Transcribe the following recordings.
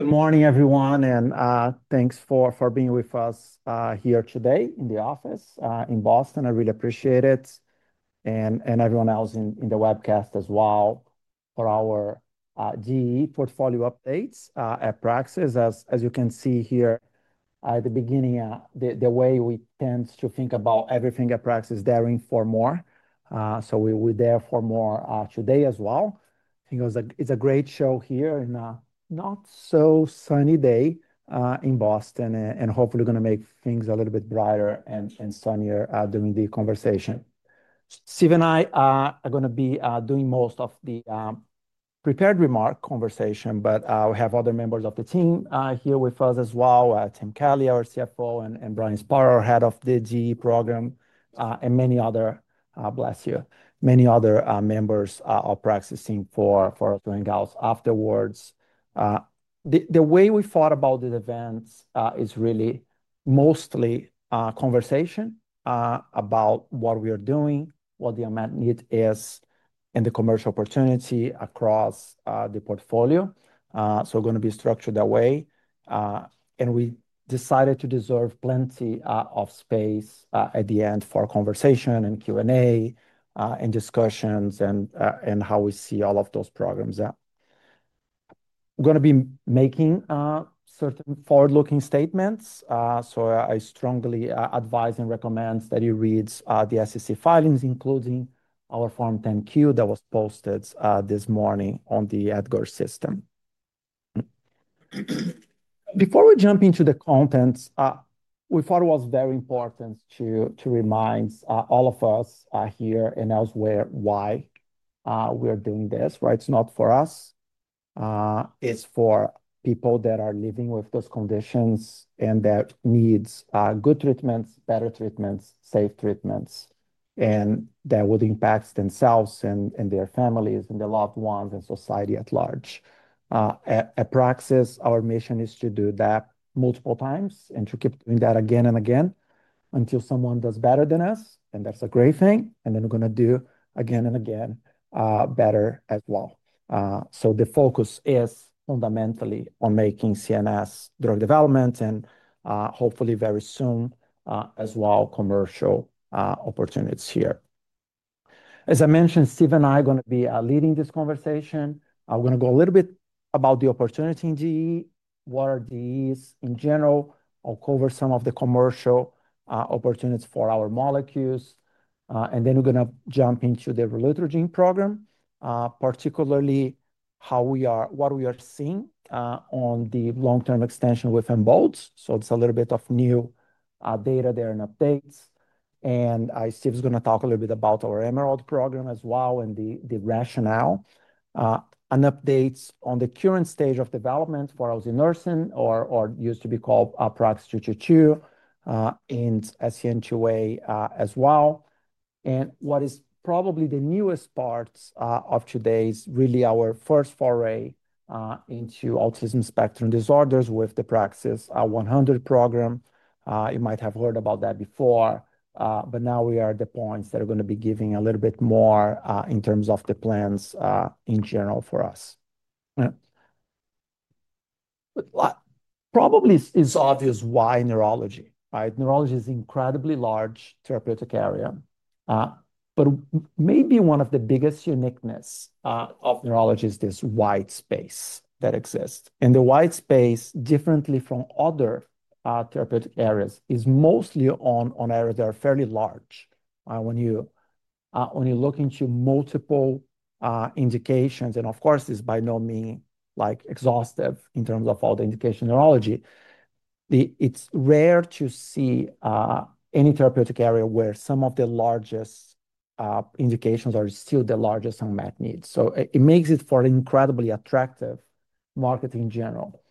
Good morning, everyone, and thanks for being with us here today in the office in Boston. I really appreciate it. Everyone else in the webcast as well for our GE portfolio updates at Praxis. As you can see here at the beginning, the way we tend to think about everything at Praxis, there are four more. We will be there for more today as well. It is a great show here in a not-so-sunny day in Boston, and hopefully we are going to make things a little bit brighter and sunnier during the conversation. Steve and I are going to be doing most of the prepared remark conversation, but we have other members of the team here with us as well: Tim Kelly, our CFO, and Brian Spar, our head of the GE program, and many other—bless you—many other members of the Praxis team for us doing gals afterwards. The way we thought about this event is really mostly conversation about what we are doing, what the unmet need is, and the commercial opportunity across the portfolio. We are going to be structured that way. We decided to deserve plenty of space at the end for conversation and Q&A and discussions and how we see all of those programs. We are going to be making certain forward-looking statements. I strongly advise and recommend that you read the SEC filings, including our Form 10-Q that was posted this morning on the Edgar system. Before we jump into the contents, we thought it was very important to remind all of us here and elsewhere why we are doing this, right? It is not for us. It's for people that are living with those conditions and that need good treatments, better treatments, safe treatments, and that would impact themselves and their families and their loved ones and society at large. At Praxis, our mission is to do that multiple times and to keep doing that again and again until someone does better than us. That's a great thing. We're going to do again and again better as well. The focus is fundamentally on making CNS drug development and hopefully very soon as well commercial opportunities here. As I mentioned, Steve and I are going to be leading this conversation. I'm going to go a little bit about the opportunity in GE, what are GEs in general, I'll cover some of the commercial opportunities for our molecules. We are going to jump into the relutrigine program, particularly what we are seeing on the long-term extension within BOLD. There is a little bit of new data there and updates. Steve is going to talk a little bit about our EMERALD program as well and the rationale. There are updates on the current stage of development for Elsunersen, or what used to be called Praxis-222, and SCN2A as well. What is probably the newest part of today is really our first foray into autism spectrum disorders with the PRAX-100 program. You might have heard about that before, but now we are at the points that are going to be giving a little bit more in terms of the plans in general for us. Probably it is obvious why neurology, right? Neurology is an incredibly large therapeutic area. Maybe one of the biggest uniqueness of neurology is this white space that exists. The white space, differently from other therapeutic areas, is mostly on areas that are fairly large. When you look into multiple indications, and of course, this by no means is exhaustive in terms of all the indication neurology, it's rare to see any therapeutic area where some of the largest indications are still the largest unmet needs. It makes it for an incredibly attractive market in general.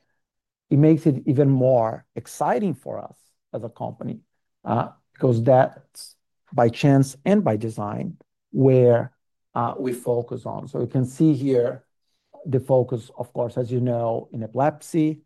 It makes it even more exciting for us as a company because that's by chance and by design where we focus on. You can see here the focus, of course, as you know, in epilepsy,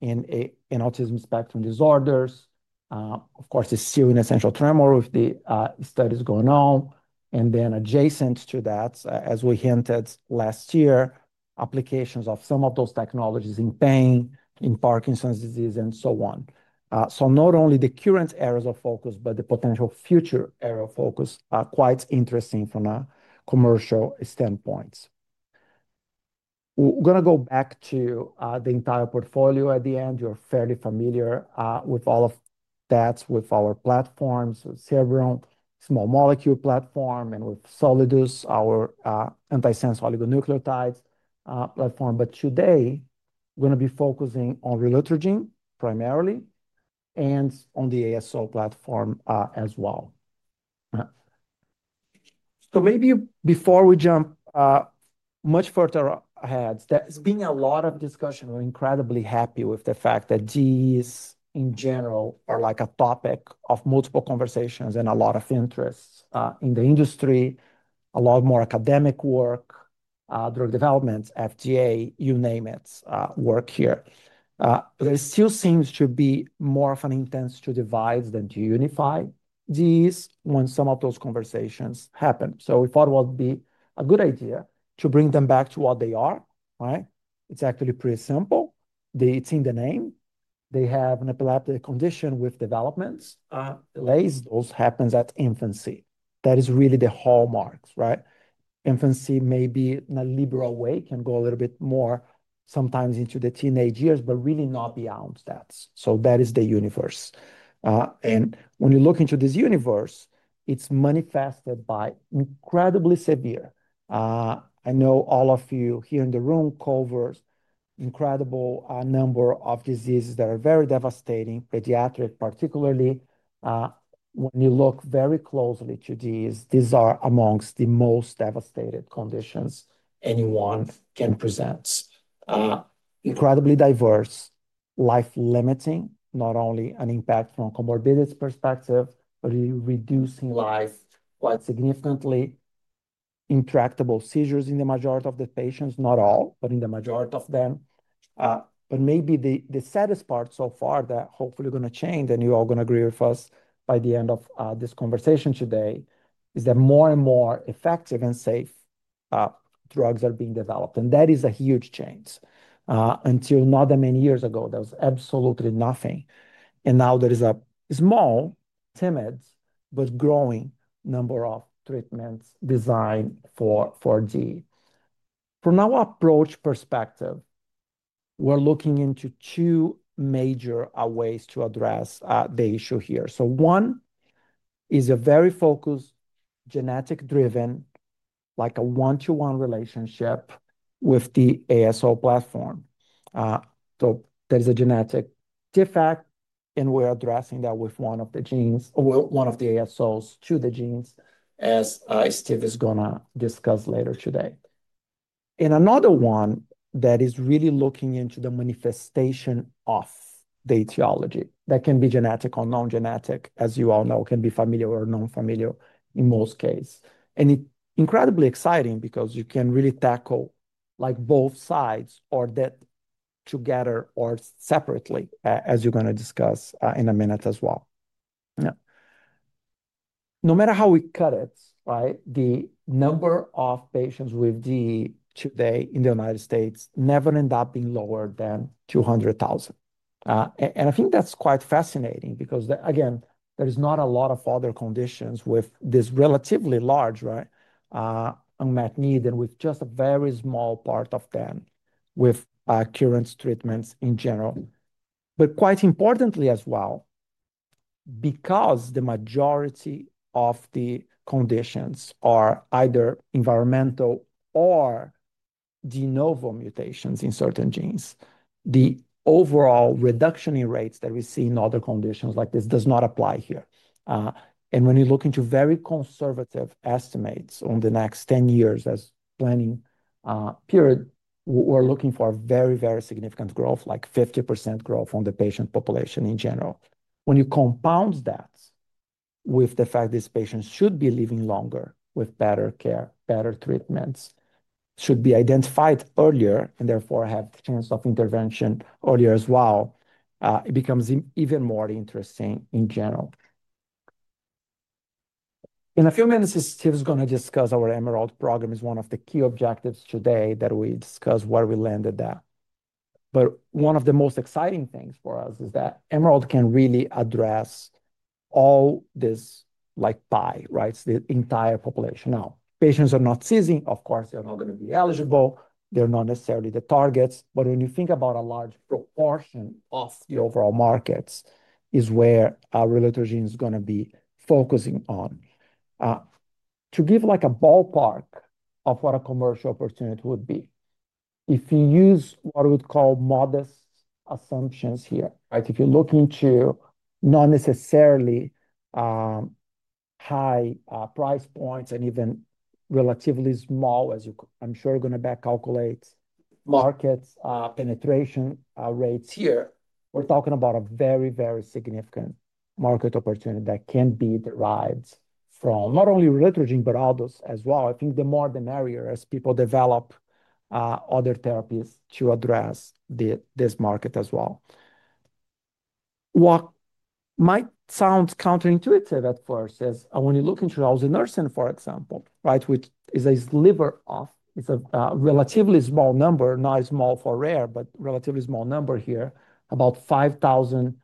in autism spectrum disorders. Of course, it's still in essential tremor with the studies going on. Then adjacent to that, as we hinted last year, applications of some of those technologies in pain, in Parkinson's disease, and so on. Not only the current areas of focus, but the potential future area of focus are quite interesting from a commercial standpoint. We're going to go back to the entire portfolio at the end. You're fairly familiar with all of that with our platforms, Cerebrum, small molecule platform, and with Solidus, our anti-sense oligonucleotides platform. Today, we're going to be focusing on relutrigine primarily and on the ASO platform as well. Maybe before we jump much further ahead, there's been a lot of discussion. We're incredibly happy with the fact that GEs in general are like a topic of multiple conversations and a lot of interest in the industry, a lot more academic work, drug development, FDA, you name it, work here. There still seems to be more of an intent to divide than to unify GEs when some of those conversations happen. We thought it would be a good idea to bring them back to what they are, right? It's actually pretty simple. It's in the name. They have an epileptic condition with developments. Delays happen at infancy. That is really the hallmarks, right? Infancy, maybe in a liberal way, can go a little bit more sometimes into the teenage years, but really not beyond that. That is the universe. When you look into this universe, it's manifested by incredibly severe. I know all of you here in the room cover incredible number of diseases that are very devastating, pediatric particularly. When you look very closely to these, these are amongst the most devastated conditions anyone can present. Incredibly diverse, life-limiting, not only an impact from a comorbidity perspective, but reducing life quite significantly. Intractable seizures in the majority of the patients, not all, but in the majority of them. Maybe the saddest part so far that hopefully we're going to change, and you're all going to agree with us by the end of this conversation today, is that more and more effective and safe drugs are being developed. That is a huge change. Until not that many years ago, there was absolutely nothing. Now there is a small, timid, but growing number of treatments designed for GE. From our approach perspective, we're looking into two major ways to address the issue here. One is a very focused genetic-driven, like a one-to-one relationship with the ASO platform. There is a genetic defect, and we're addressing that with one of the genes, one of the ASOs to the genes, as Steve is going to discuss later today. Another one is really looking into the manifestation of the etiology that can be genetic or non-genetic, as you all know, can be familiar or non-familiar in most cases. It's incredibly exciting because you can really tackle both sides or that together or separately, as you're going to discuss in a minute as well. No matter how we cut it, the number of patients with GE today in the United States never end up being lower than 200,000. I think that's quite fascinating because, again, there is not a lot of other conditions with this relatively large unmet need and with just a very small part of them with current treatments in general. Quite importantly as well, because the majority of the conditions are either environmental or de novo mutations in certain genes, the overall reduction in rates that we see in other conditions like this does not apply here. When you look into very conservative estimates on the next 10 years as planning period, we're looking for very, very significant growth, like 50% growth on the patient population in general. When you compound that with the fact these patients should be living longer with better care, better treatments, should be identified earlier and therefore have the chance of intervention earlier as well, it becomes even more interesting in general. In a few minutes, Steve is going to discuss our EMERALD program as one of the key objectives today that we discussed where we landed there. One of the most exciting things for us is that EMERALD can really address all this like pie, right? It's the entire population. Now, patients are not seizing, of course, they're not going to be eligible, they're not necessarily the targets, but when you think about a large proportion of the overall markets is where relutrigine is going to be focusing on. To give like a ballpark of what a commercial opportunity would be, if you use what we would call modest assumptions here, right? If you look into not necessarily high price points and even relatively small, as I'm sure you're going to back calculate market penetration rates here, we're talking about a very, very significant market opportunity that can be derived from not only relutrigine, but others as well. I think the more the merrier as people develop other therapies to address this market as well. What might sound counterintuitive at first is when you look into Elsunersen, for example, right? It's a sliver of, it's a relatively small number, not a small for rare, but relatively small number here, about 5,000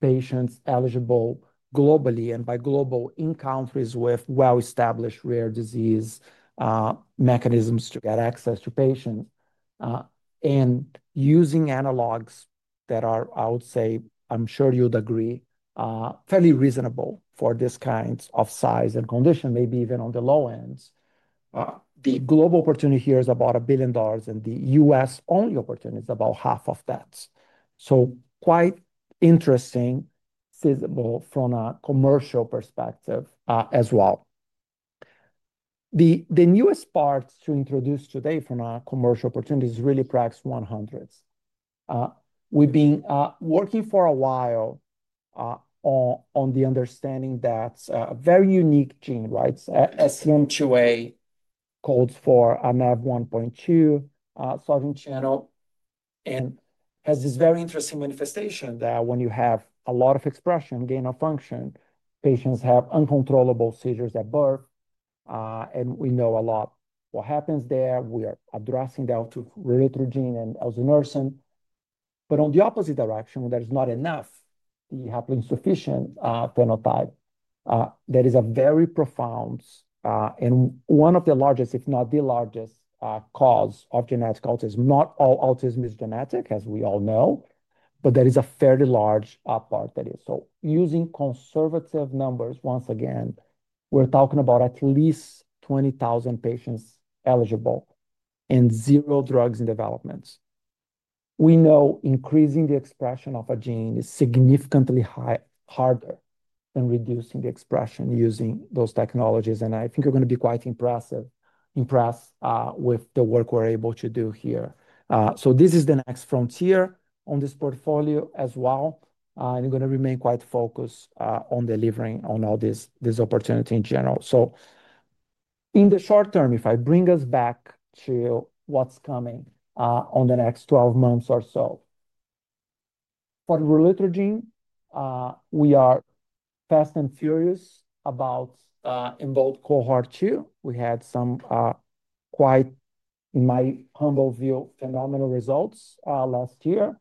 patients eligible globally and by global in countries with well-established rare disease mechanisms to get access to patients. And using analogs that are, I would say, I'm sure you'd agree, fairly reasonable for this kind of size and condition, maybe even on the low end. The global opportunity here is about $1 billion and the U.S. only opportunity is about half of that. Quite interesting, feasible from a commercial perspective as well. The newest part to introduce today from a commercial opportunity is really PRAX-100. We've been working for a while on the understanding that a very unique gene, right? SCN2A calls for an NaV1.2 solvent channel and has this very interesting manifestation that when you have a lot of expression, gain of function, patients have uncontrollable seizures at birth. We know a lot what happens there. We are addressing that through relutrigine and Elsunersen. On the opposite direction, there's not enough, the haploinsufficient phenotype. There is a very profound and one of the largest, if not the largest, cause of genetic autism. Not all autism is genetic, as we all know, but there is a fairly large part that is. Using conservative numbers, once again, we're talking about at least 20,000 patients eligible and zero drugs in development. We know increasing the expression of a gene is significantly harder than reducing the expression using those technologies. I think you're going to be quite impressed with the work we're able to do here. This is the next frontier on this portfolio as well. We're going to remain quite focused on delivering on all this opportunity in general. In the short term, if I bring us back to what's coming on the next 12 months or so, for relutrigine, we are fast and furious about involved cohort two. We had some quite, in my humble view, phenomenal results last year.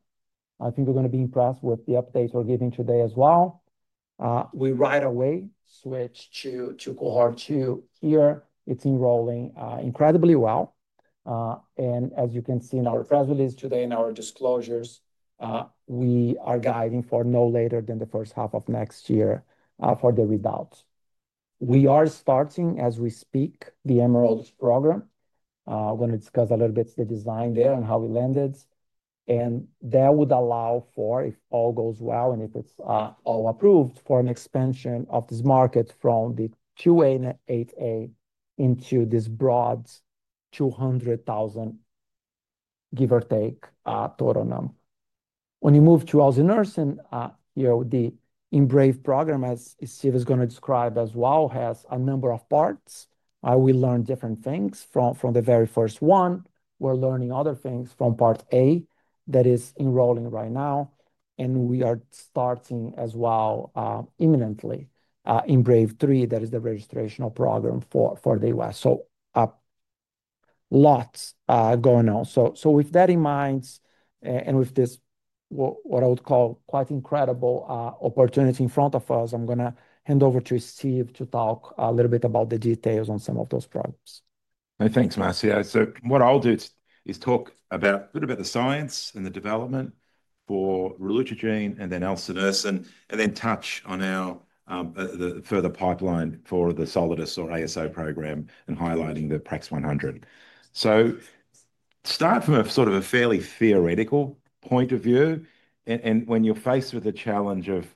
I think we're going to be impressed with the updates we're giving today as well. We right away switch to cohort two here. It's enrolling incredibly well. As you can see in our press release today, in our disclosures, we are guiding for no later than the first half of next year for the results. We are starting, as we speak, the EMERALD program. I'm going to discuss a little bit the design there and how we landed. That would allow for, if all goes well and if it's all approved, for an expansion of this market from the 2A and 8A into this broad 200,000, give or take, total number. When you move to Elsunersen here, the EMBRAVE program, as Steve is going to describe as well, has a number of parts. We learn different things from the very first one. We're learning other things from part A that is enrolling right now. We are starting as well imminently EMBRAVE 3, that is the registration program for the US. Lots going on. With that in mind and with this what I would call quite incredible opportunity in front of us, I'm going to hand over to Steve to talk a little bit about the details on some of those problems. Thanks, Marcio. What I'll do is talk a bit about the science and the development for relutrigine and then Elsunersen and then touch on the further pipeline for the Solidus or ASO program and highlighting the PRAX-100. Start from a sort of a fairly theoretical point of view. When you're faced with the challenge of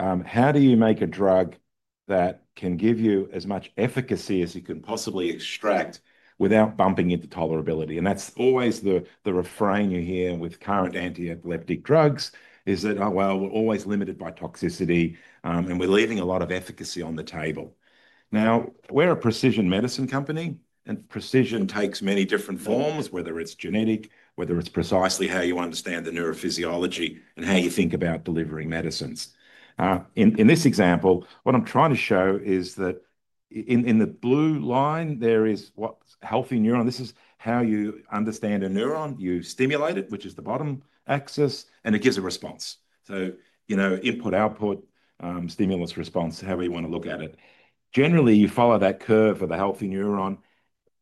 how do you make a drug that can give you as much efficacy as you can possibly extract without bumping into tolerability? That's always the refrain you hear with current anti-epileptic drugs is that, well, we're always limited by toxicity and we're leaving a lot of efficacy on the table. Now, we're a precision medicine company and precision takes many different forms, whether it's genetic, whether it's precisely how you understand the neurophysiology and how you think about delivering medicines. In this example, what I'm trying to show is that in the blue line, there is what's healthy neuron. This is how you understand a neuron. You stimulate it, which is the bottom axis, and it gives a response. So input, output, stimulus, response, however you want to look at it. Generally, you follow that curve for the healthy neuron.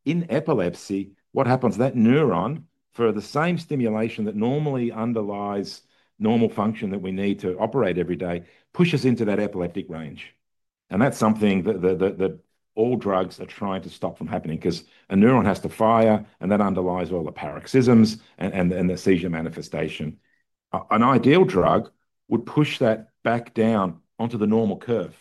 In epilepsy, what happens? That neuron, for the same stimulation that normally underlies normal function that we need to operate every day, pushes into that epileptic range. That is something that all drugs are trying to stop from happening because a neuron has to fire and that underlies all the paroxysms and the seizure manifestation. An ideal drug would push that back down onto the normal curve.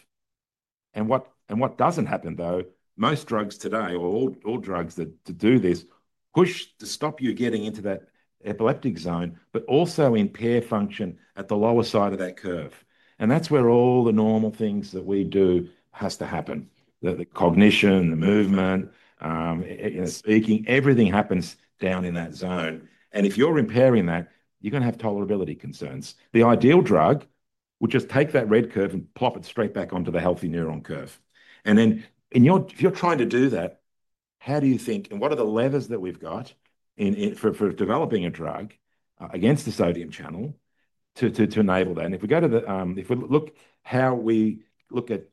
What does not happen, though, is most drugs today, or all drugs that do this, push to stop you getting into that epileptic zone, but also impair function at the lower side of that curve. That is where all the normal things that we do have to happen. The cognition, the movement, speaking, everything happens down in that zone. If you are impairing that, you are going to have tolerability concerns. The ideal drug would just take that red curve and plop it straight back onto the healthy neuron curve. If you're trying to do that, how do you think, and what are the levers that we've got for developing a drug against the sodium channel to enable that? If we look at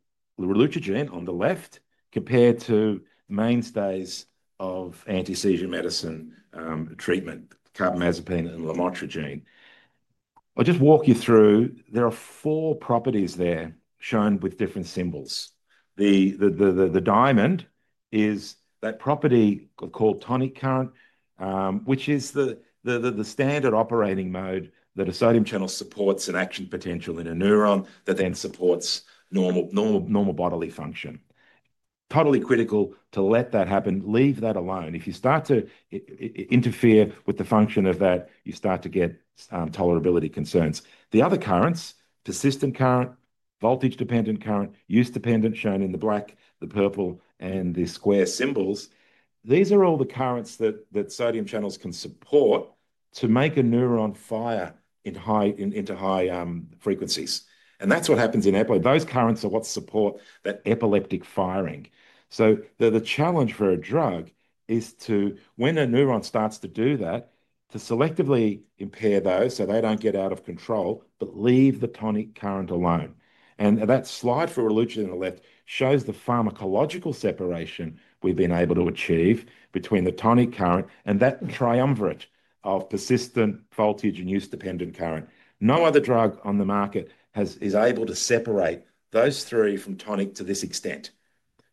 relutrigine on the left compared to mainstays of anti-seizure medicine treatment, carbamazepine and lamotrigine, I'll just walk you through. There are four properties there shown with different symbols. The diamond is that property called tonic current, which is the standard operating mode that a sodium channel supports an action potential in a neuron that then supports normal bodily function. Totally critical to let that happen, leave that alone. If you start to interfere with the function of that, you start to get tolerability concerns. The other currents, persistent current, voltage-dependent current, use-dependent, shown in the black, the purple, and the square symbols, these are all the currents that sodium channels can support to make a neuron fire into high frequencies. That's what happens in epilepsy; those currents are what support that epileptic firing. The challenge for a drug is to, when a neuron starts to do that, selectively impair those so they don't get out of control, but leave the tonic current alone. That slide for relutrigine on the left shows the pharmacological separation we've been able to achieve between the tonic current and that triumvirate of persistent, voltage, and use-dependent current. No other drug on the market is able to separate those three from tonic to this extent.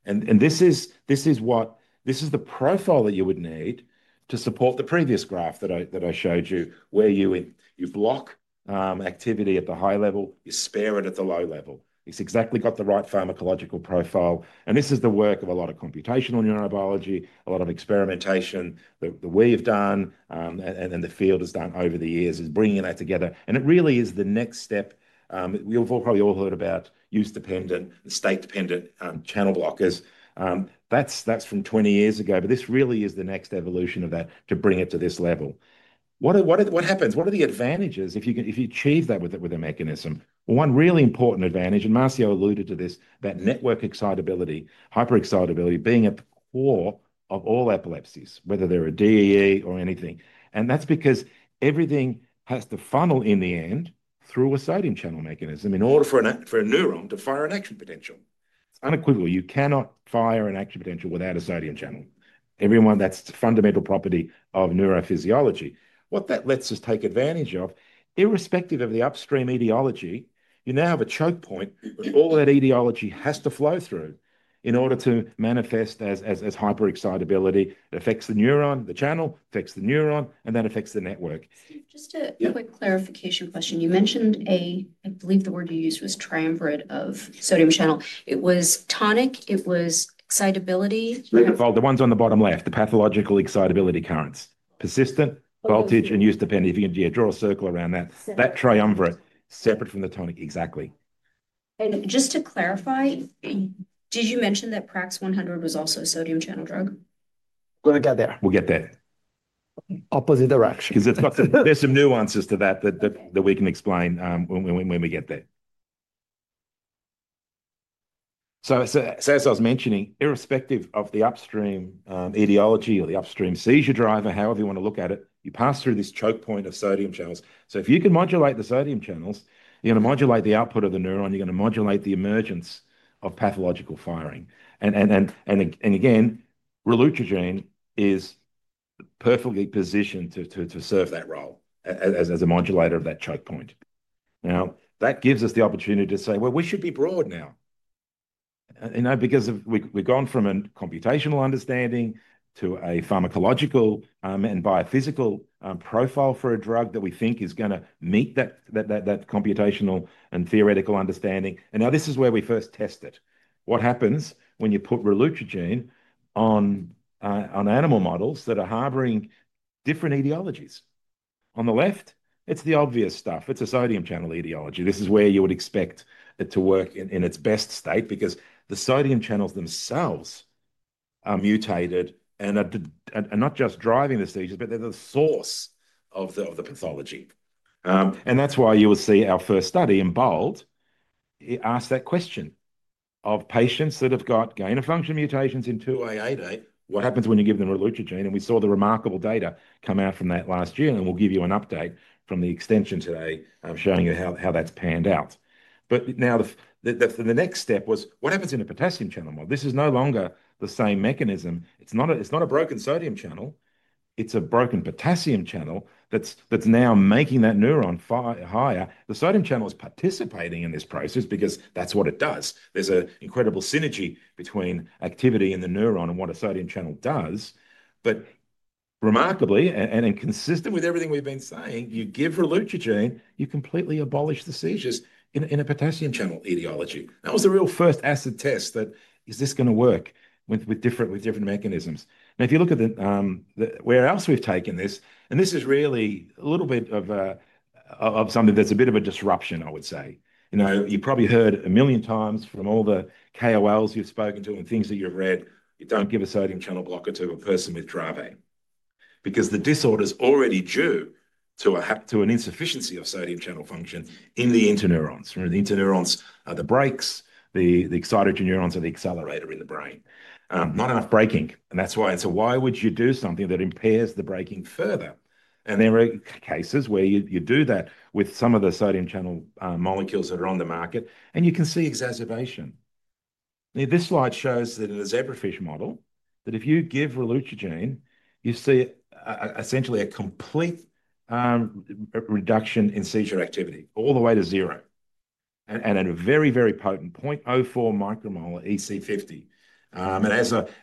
This is what this is the profile that you would need to support the previous graph that I showed you, where you block activity at the high level, you spare it at the low level. It has exactly the right pharmacological profile. This is the work of a lot of computational neurobiology, a lot of experimentation that we have done, and the field has done over the years, bringing that together. It really is the next step. We've probably all heard about use-dependent, state-dependent channel blockers. That's from 20 years ago, but this really is the next evolution of that to bring it to this level. What happens? What are the advantages if you achieve that with a mechanism? One really important advantage, and Marcio alluded to this, is that network excitability, hyperexcitability being at the core of all epilepsies, whether they're a DEE or anything. That is because everything has to funnel in the end through a sodium channel mechanism in order for a neuron to fire an action potential. It is unequivocal. You cannot fire an action potential without a sodium channel. Everyone, that is a fundamental property of neurophysiology. What that lets us take advantage of, irrespective of the upstream etiology, you now have a choke point where all that etiology has to flow through in order to manifest as hyperexcitability. It affects the neuron, the channel affects the neuron, and that affects the network. Just a quick clarification question. You mentioned a, I believe the word you used was triumvirate of sodium channel. It was tonic, it was excitability. The ones on the bottom left, the pathological excitability currents, persistent, voltage, and use-dependent. If you can draw a circle around that, that triumvirate separate from the tonic, exactly. Just to clarify, did you mention that PRAX-100 was also a sodium channel drug? We're going to get there. We'll get there. Opposite direction. There's some nuances to that that we can explain when we get there. As I was mentioning, irrespective of the upstream etiology or the upstream seizure driver, however you want to look at it, you pass through this choke point of sodium channels. If you can modulate the sodium channels, you're going to modulate the output of the neuron, you're going to modulate the emergence of pathological firing. Again, relutrigine is perfectly positioned to serve that role as a modulator of that choke point. That gives us the opportunity to say, we should be broad now. Because we've gone from a computational understanding to a pharmacological and biophysical profile for a drug that we think is going to meet that computational and theoretical understanding. Now this is where we first test it. What happens when you put relutrigine on animal models that are harboring different etiologies? On the left, it's the obvious stuff. It's a sodium channel etiology. This is where you would expect it to work in its best state because the sodium channels themselves are mutated and are not just driving the seizures, but they're the source of the pathology. That is why you will see our first study in bold, it asked that question of patients that have got gain of function mutations in 2A and 8A, what happens when you give them relutrigine? We saw the remarkable data come out from that last year. We will give you an update from the extension today showing you how that has panned out. The next step was, what happens in a potassium channel? This is no longer the same mechanism. It is not a broken sodium channel. It is a broken potassium channel that is now making that neuron fire higher. The sodium channel is participating in this process because that is what it does. There is an incredible synergy between activity in the neuron and what a sodium channel does. Remarkably, and consistent with everything we have been saying, you give relutrigine, you completely abolish the seizures in a potassium channel etiology. That was the real first acid test that is this going to work with different mechanisms. If you look at where else we have taken this, and this is really a little bit of something that is a bit of a disruption, I would say. You probably heard a million times from all the KOLs you've spoken to and things that you've read, you don't give a sodium channel blocker to a person with Dravet because the disorder is already due to an insufficiency of sodium channel function in the interneurons. The interneurons are the brakes, the excitatory neurons are the accelerator in the brain. Not enough braking. That is why it's a, why would you do something that impairs the braking further? There are cases where you do that with some of the sodium channel molecules that are on the market, and you can see exacerbation. This slide shows that in a zebrafish model, if you give relutrigine, you see essentially a complete reduction in seizure activity, all the way to zero. At a very, very potent 0.04 micromolar EC50.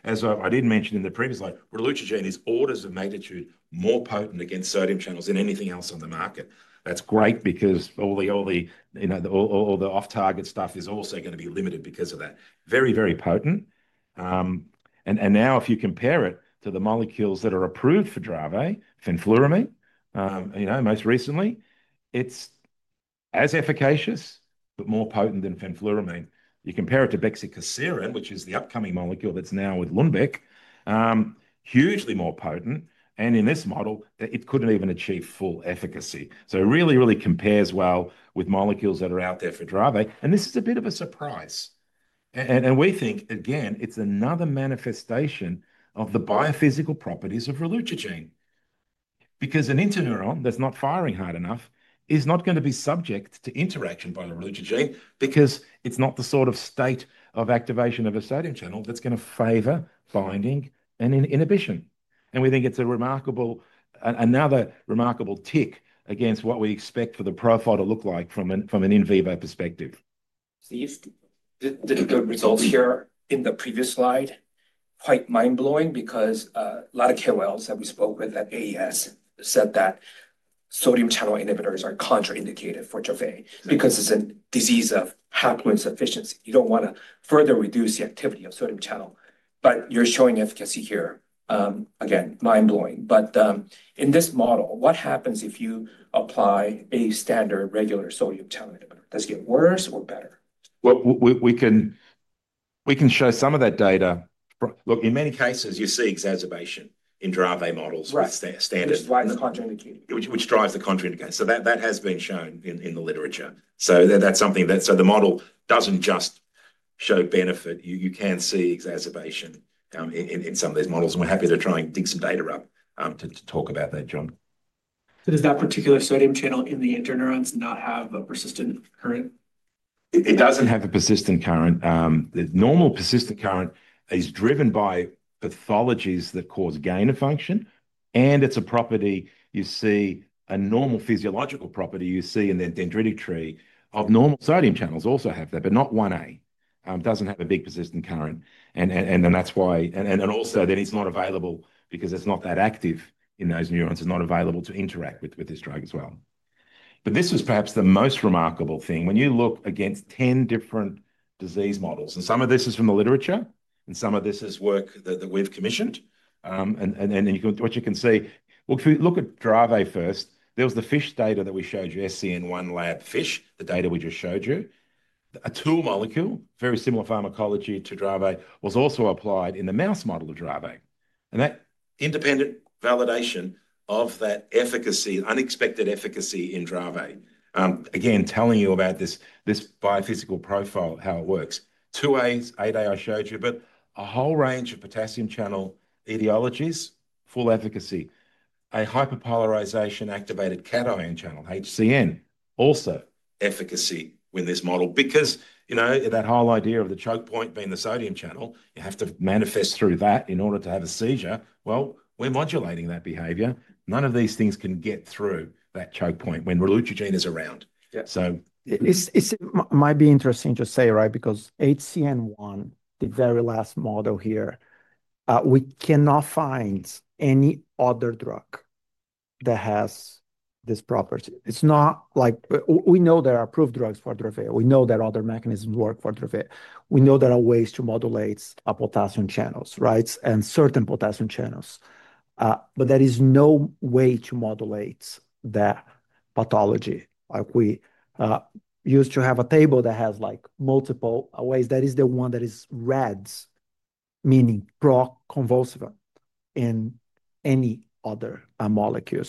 As I did mention in the previous slide, relutrigine is orders of magnitude more potent against sodium channels than anything else on the market. That's great because all the off-target stuff is also going to be limited because of that. Very, very potent. Now if you compare it to the molecules that are approved for Dravet, fenfluramine, most recently, it's as efficacious, but more potent than fenfluramine. You compare it to bexicaserin, which is the upcoming molecule that's now with Lundbeck, hugely more potent. In this model, it couldn't even achieve full efficacy. It really, really compares well with molecules that are out there for Dravet. This is a bit of a surprise. We think, again, it's another manifestation of the biophysical properties of relutrigine. Because an interneuron that's not firing hard enough is not going to be subject to interaction by the relutrigine because it's not the sort of state of activation of a sodium channel that's going to favor binding and inhibition. We think it's another remarkable tick against what we expect for the profile to look like from an in vivo perspective. Didn't the results here in the previous slide quite mind-blowing? A lot of KOLs that we spoke with at AES said that sodium channel inhibitors are contraindicated for Dravet because it's a disease of haploinsufficiency. You don't want to further reduce the activity of sodium channel, but you're showing efficacy here. Again, mind-blowing. In this model, what happens if you apply a standard regular sodium channel inhibitor? Does it get worse or better? We can show some of that data. Look, in many cases, you see exacerbation in Dravet models with standard. Which drives the contraindication. That has been shown in the literature. That's something that, the model doesn't just show benefit. You can see exacerbation in some of these models. We're happy to try and dig some data up to talk about that, John. Does that particular sodium channel in the interneurons not have a persistent current? It doesn't have a persistent current. The normal persistent current is driven by pathologies that cause gain of function. It's a property you see, a normal physiological property you see in the dendritic tree of normal sodium channels also have that, but not 1A. It doesn't have a big persistent current. That's why, and also then it's not available because it's not that active in those neurons. It's not available to interact with this drug as well. This was perhaps the most remarkable thing. When you look against 10 different disease models, and some of this is from the literature, and some of this is work that we've commissioned, and what you can see, look at Dravet first. There was the fish data that we showed you, SCN1 lab fish, the data we just showed you. A tool molecule, very similar pharmacology to Dravet, was also applied in the mouse model of Dravet. That independent validation of that efficacy, unexpected efficacy in Dravet, again, telling you about this biophysical profile, how it works. 2A, 8A I showed you, but a whole range of potassium channel etiologies, full efficacy. A hyperpolarization activated cation channel, HCN, also efficacy in this model. Because that whole idea of the choke point being the sodium channel, you have to manifest through that in order to have a seizure. We are modulating that behavior. None of these things can get through that choke point when relutrigine is around. It might be interesting to say, right, because HCN1, the very last model here, we cannot find any other drug that has this property. It's not like we know there are approved drugs for Dravet. We know that other mechanisms work for Dravet. We know there are ways to modulate potassium channels, right, and certain potassium channels. There is no way to modulate that pathology. We used to have a table that has multiple ways. That is the one that is red, meaning pro-convulsive in any other molecule.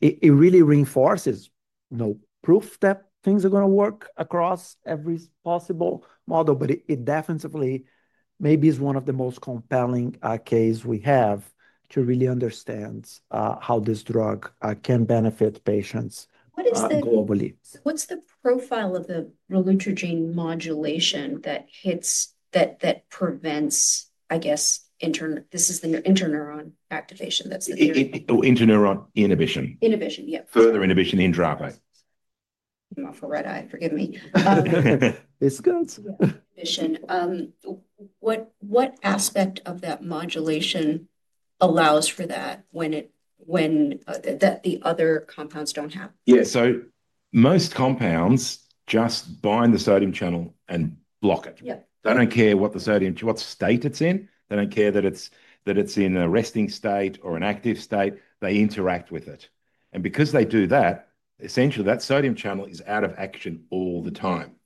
It really reinforces no proof that things are going to work across every possible model, but it definitely maybe is one of the most compelling cases we have to really understand how this drug can benefit patients globally. What's the profile of the relutrigine modulation that prevents, I guess, this is the interneuron activation that's the theory. Interneuron inhibition. Inhibition, yep. Further inhibition in Dravet. I'm off a red eye, forgive me. It's good. What aspect of that modulation allows for that when the other compounds don't have? Yeah, so most compounds just bind the sodium channel and block it. They don't care what state it's in. They don't care that it's in a resting state or an active state. They interact with it. Because they do that, essentially, that sodium channel is out of action all the time.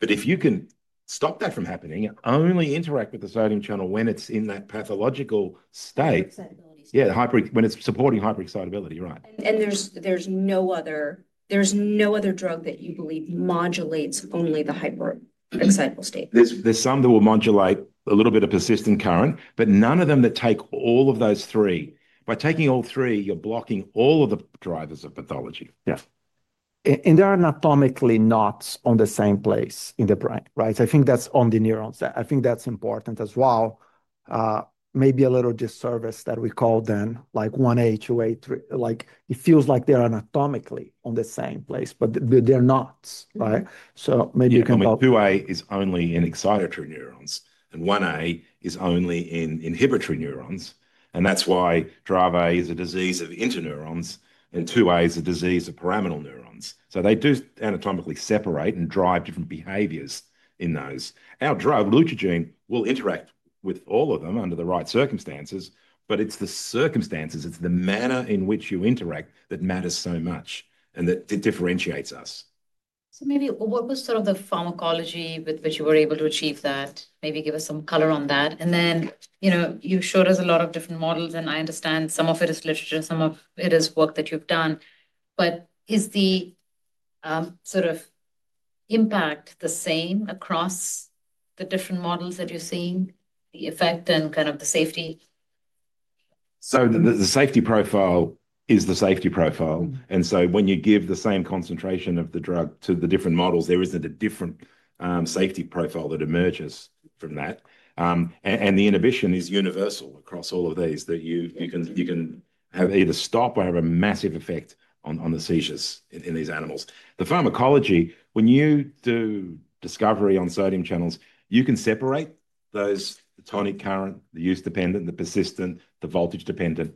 If you can stop that from happening, it only interacts with the sodium channel when it's in that pathological state. Yeah, when it's supporting hyperexcitability, right. There's no other drug that you believe modulates only the hyperexcitable state? There's some that will modulate a little bit of persistent current, but none of them that take all of those three. By taking all three, you're blocking all of the drivers of pathology. Yeah. They're anatomically not on the same place in the brain, right? I think that's on the neurons. I think that's important as well. Maybe a little disservice that we call them like 1A, 2A, 3. It feels like they're anatomically on the same place, but they're not, right? Maybe you can help. 2A is only in excitatory neurons, and 1A is only in inhibitory neurons. That is why Dravet is a disease of interneurons, and 2A is a disease of pyramidal neurons. They do anatomically separate and drive different behaviors in those. Our Dravet relutrigine will interact with all of them under the right circumstances, but it is the circumstances, it is the manner in which you interact that matters so much and that differentiates us. Maybe what was sort of the pharmacology with which you were able to achieve that? Maybe give us some color on that. You showed us a lot of different models, and I understand some of it is literature, some of it is work that you have done. Is the sort of impact the same across the different models that you are seeing, the effect and kind of the safety? The safety profile is the safety profile. When you give the same concentration of the drug to the different models, there is not a different safety profile that emerges from that. The inhibition is universal across all of these, that you can have either stop or have a massive effect on the seizures in these animals. The pharmacology, when you do discovery on sodium channels, you can separate those tonic current, the use dependent, the persistent, the voltage dependent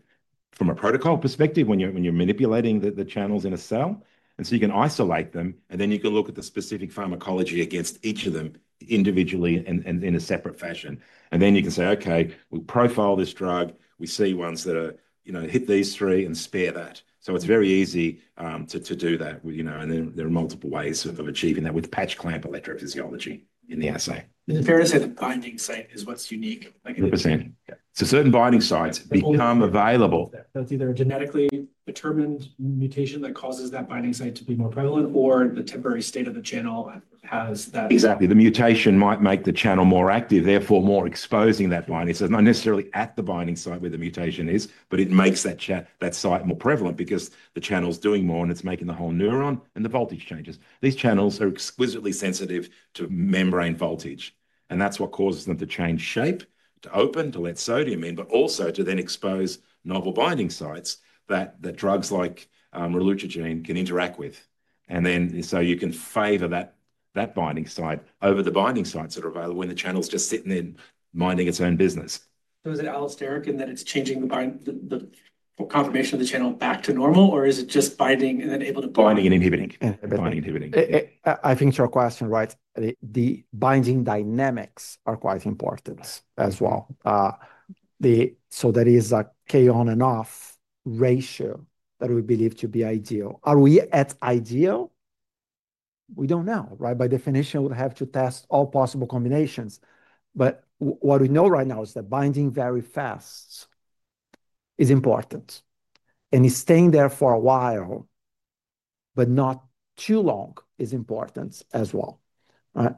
from a protocol perspective when you are manipulating the channels in a cell. You can isolate them, and then you can look at the specific pharmacology against each of them individually and in a separate fashion. You can say, okay, we profile this drug. We see ones that hit these three and spare that. It is very easy to do that. There are multiple ways of achieving that with patch clamp electrophysiology in the assay. Is it fair to say the binding site is what's unique? 100%. Certain binding sites become available. That's either a genetically determined mutation that causes that binding site to be more prevalent, or the temporary state of the channel has that. Exactly. The mutation might make the channel more active, therefore more exposing that binding. It's not necessarily at the binding site where the mutation is, but it makes that site more prevalent because the channel's doing more and it's making the whole neuron and the voltage changes. These channels are exquisitely sensitive to membrane voltage. That's what causes them to change shape, to open, to let sodium in, but also to then expose novel binding sites that drugs like relutrigine can interact with. You can favor that binding site over the binding sites that are available when the channel's just sitting there minding its own business. Is it allosteric in that it's changing the conformation of the channel back to normal, or is it just binding and then able to bind and inhibit? Binding and inhibiting. I think it's your question, right? The binding dynamics are quite important as well. There is a K-on and off ratio that we believe to be ideal. Are we at ideal? We don't know, right? By definition, we'll have to test all possible combinations. What we know right now is that binding very fast is important. Staying there for a while, but not too long, is important as well. A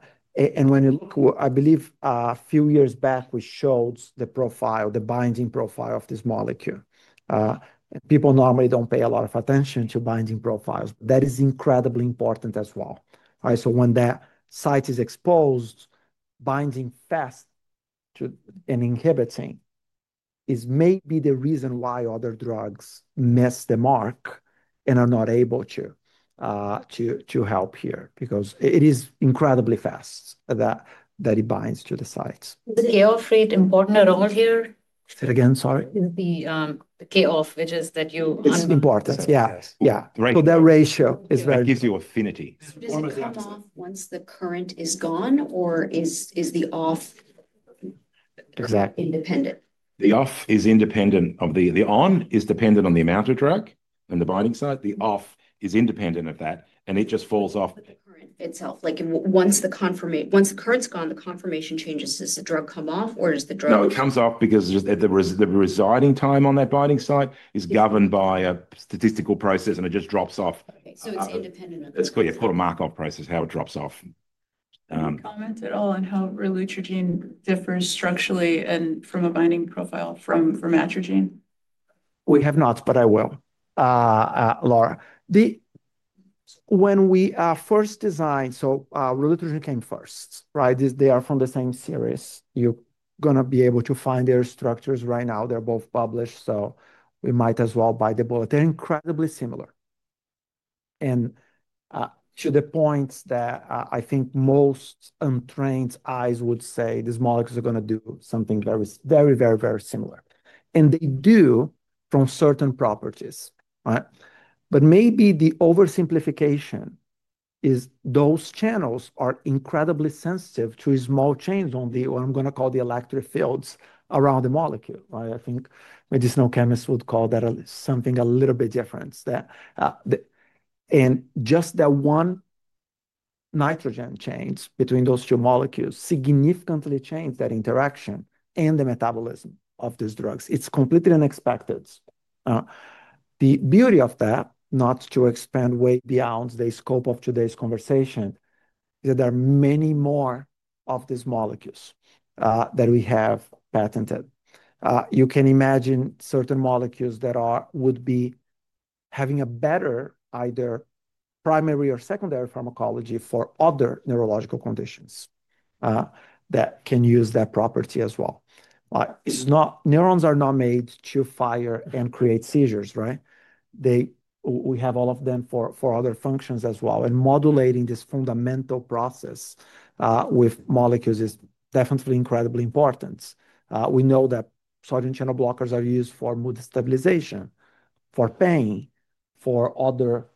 few years back, we showed the profile, the binding profile of this molecule. People normally do not pay a lot of attention to binding profiles. That is incredibly important as well. When that site is exposed, binding fast and inhibiting is maybe the reason why other drugs miss the mark and are not able to help here because it is incredibly fast that it binds to the sites. Is the K-off rate important or normal here? Say it again, sorry. Is the K-off, which is that you un? It is important, yeah. Yeah. That ratio is very important. That gives you affinity. Does it just come off once the current is gone, or is the off independent? The off is independent of the on, is dependent on the amount of drug and the binding site. The off is independent of that, and it just falls off. The current itself, like once the current is gone, the confirmation changes. Does the drug come off, or does the drug? No, it comes off because the residing time on that binding site is governed by a statistical process, and it just drops off. Okay, so it's independent of the binding. That's called, yeah, called a Markov process, how it drops off. Any comment at all on how relutrigine differs structurally and from a binding profile from matrigine? We have not, but I will, Laura. When we first designed, so relutrigine came first, right? They are from the same series. You're going to be able to find their structures right now. They're both published, so we might as well bite the bullet. They're incredibly similar. And to the point that I think most untrained eyes would say these molecules are going to do something very, very, very similar. And they do from certain properties, right? Maybe the oversimplification is those channels are incredibly sensitive to small changes on the, what I'm going to call the electric fields around the molecule, right? I think medicinal chemists would call that something a little bit different. Just that one nitrogen change between those two molecules significantly changed that interaction and the metabolism of these drugs. It's completely unexpected. The beauty of that, not to expand way beyond the scope of today's conversation, is that there are many more of these molecules that we have patented. You can imagine certain molecules that would be having a better either primary or secondary pharmacology for other neurological conditions that can use that property as well. Neurons are not made to fire and create seizures, right? We have all of them for other functions as well. Modulating this fundamental process with molecules is definitely incredibly important. We know that sodium channel blockers are used for mood stabilization, for pain, for other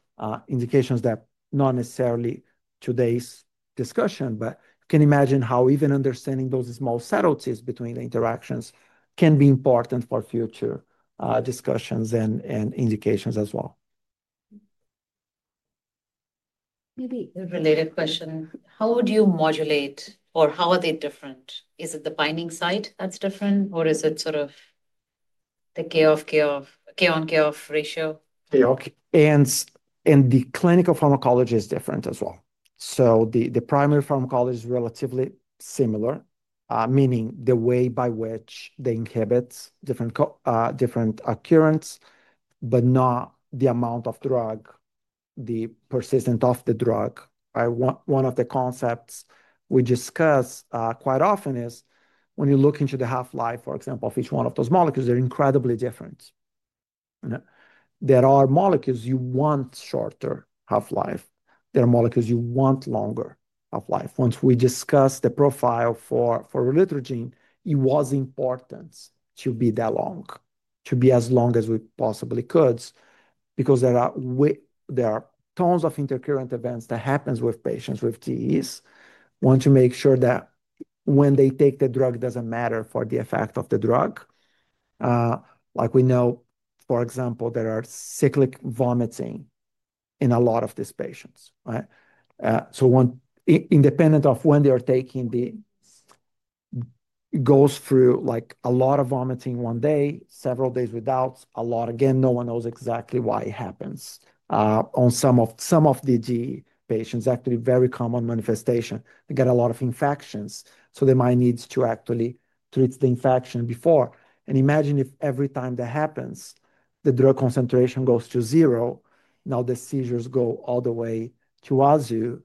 indications that are not necessarily today's discussion, but you can imagine how even understanding those small subtleties between the interactions can be important for future discussions and indications as well. Maybe a related question. How would you modulate, or how are they different? Is it the binding site that's different, or is it sort of the K-on K-off ratio? The clinical pharmacology is different as well. The primary pharmacology is relatively similar, meaning the way by which they inhibit different occurrence, but not the amount of drug, the persistence of the drug. One of the concepts we discuss quite often is when you look into the half-life, for example, of each one of those molecules, they're incredibly different. There are molecules you want shorter half-life. There are molecules you want longer half-life. Once we discussed the profile for relutrigine, it was important to be that long, to be as long as we possibly could, because there are tons of intercurrent events that happen with patients with DEEs. We want to make sure that when they take the drug, it doesn't matter for the effect of the drug. Like we know, for example, there are cyclic vomiting in a lot of these patients, right? So independent of when they are taking, it goes through a lot of vomiting one day, several days without, a lot again, no one knows exactly why it happens. On some of the GE patients, actually very common manifestation. They get a lot of infections, so they might need to actually treat the infection before. Imagine if every time that happens, the drug concentration goes to zero. Now the seizures go all the way to azu.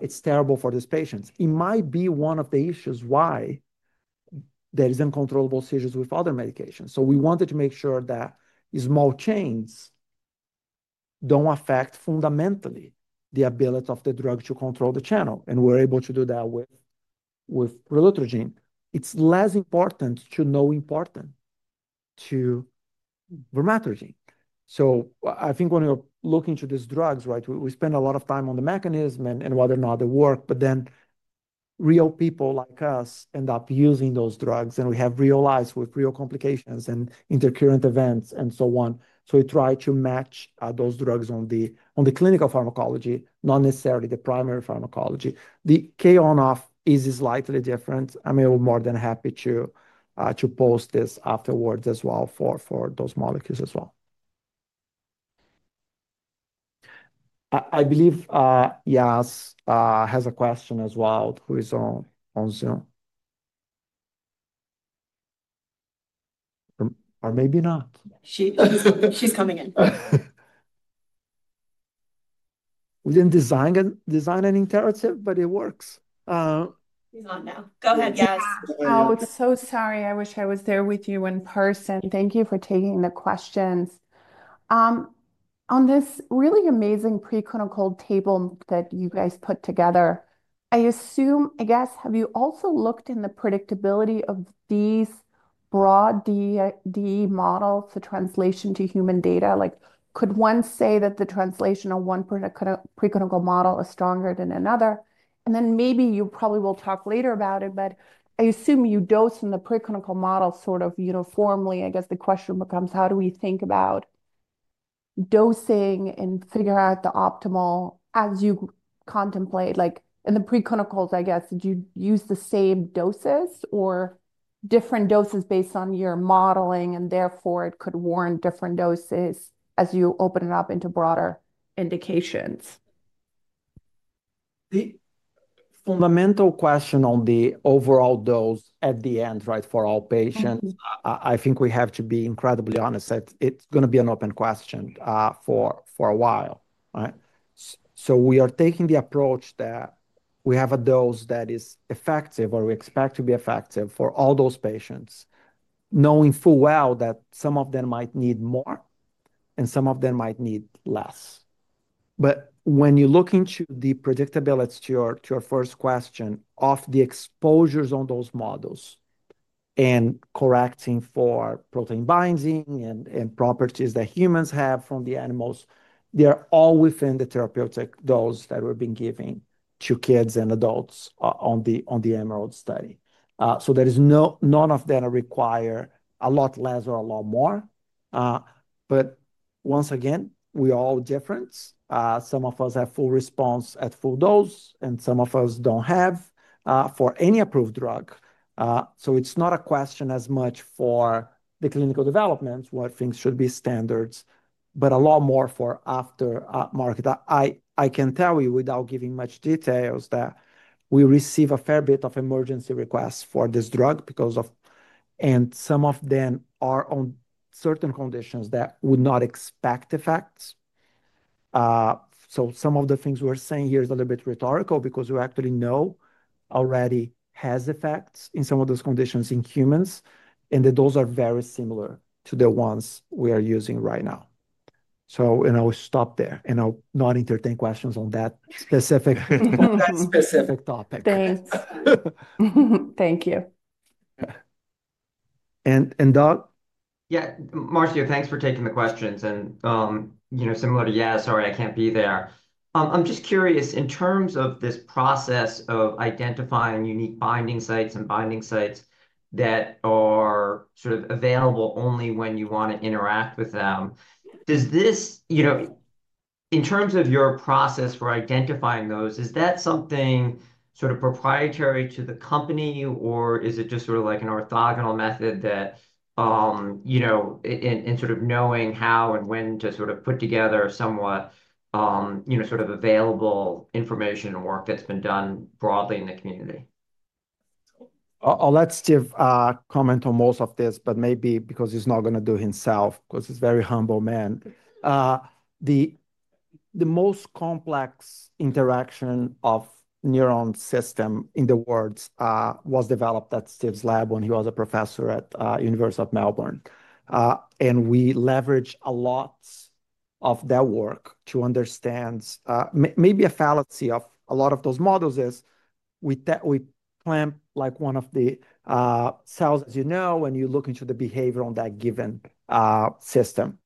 It's terrible for these patients. It might be one of the issues why there are uncontrollable seizures with other medications. We wanted to make sure that small changes don't affect fundamentally the ability of the drug to control the channel. We were able to do that with relutrigine. It's less important, too, important to Vormatrigine. I think when you're looking to these drugs, right, we spend a lot of time on the mechanism and whether or not they work, but then real people like us end up using those drugs, and we have real lives with real complications and intercurrent events and so on. We try to match those drugs on the clinical pharmacology, not necessarily the primary pharmacology. The K-on-off is slightly different. I'm more than happy to post this afterwards as well for those molecules as well. I believe Yas has a question as well. Who is on Zoom? Or maybe not. She's coming in. We didn't design an interruptive, but it works. Not now. Go ahead, Yas. Oh, so sorry. I wish I was there with you in person. Thank you for taking the questions. On this really amazing pre-clinical table that you guys put together, I assume, I guess, have you also looked in the predictability of these broad DEE models, the translation to human data? Could one say that the translation of one pre-clinical model is stronger than another? I guess you probably will talk later about it, but I assume you dose in the pre-clinical model sort of uniformly. I guess the question becomes, how do we think about dosing and figure out the optimal as you contemplate? In the pre-clinicals, I guess, did you use the same doses or different doses based on your modeling, and therefore it could warrant different doses as you open it up into broader indications? The fundamental question on the overall dose at the end, right, for all patients, I think we have to be incredibly honest that it's going to be an open question for a while, right? We are taking the approach that we have a dose that is effective or we expect to be effective for all those patients, knowing full well that some of them might need more and some of them might need less. When you look into the predictability, to your first question, of the exposures on those models and correcting for protein binding and properties that humans have from the animals, they are all within the therapeutic dose that we have been giving to kids and adults on the EMERALD study. There is none of them that require a lot less or a lot more. Once again, we are all different. Some of us have full response at full dose, and some of us do not have for any approved drug. It is not a question as much for the clinical development, what things should be standards, but a lot more for after-market. I can tell you without giving much details that we receive a fair bit of emergency requests for this drug because of, and some of them are on certain conditions that would not expect effects. Some of the things we're saying here are a little bit rhetorical because we actually know it already has effects in some of those conditions in humans, and the doses are very similar to the ones we are using right now. I'll stop there and I'll not entertain questions on that specific topic. Thanks. Thank you. Doug? Marcio, thanks for taking the questions. Similar to Yas, sorry I can't be there. I'm just curious, in terms of this process of identifying unique binding sites and binding sites that are sort of available only when you want to interact with them, in terms of your process for identifying those, is that something sort of proprietary to the company, or is it just sort of like an orthogonal method that in sort of knowing how and when to sort of put together somewhat sort of available information and work that's been done broadly in the community? I'll let Steve comment on most of this, but maybe because he's not going to do himself, because he's a very humble man. The most complex interaction of neuron system in the world was developed at Steve's lab when he was a professor at the University of Melbourne. We leverage a lot of that work to understand maybe a fallacy of a lot of those models is we clamp one of the cells, as you know, and you look into the behavior on that given system.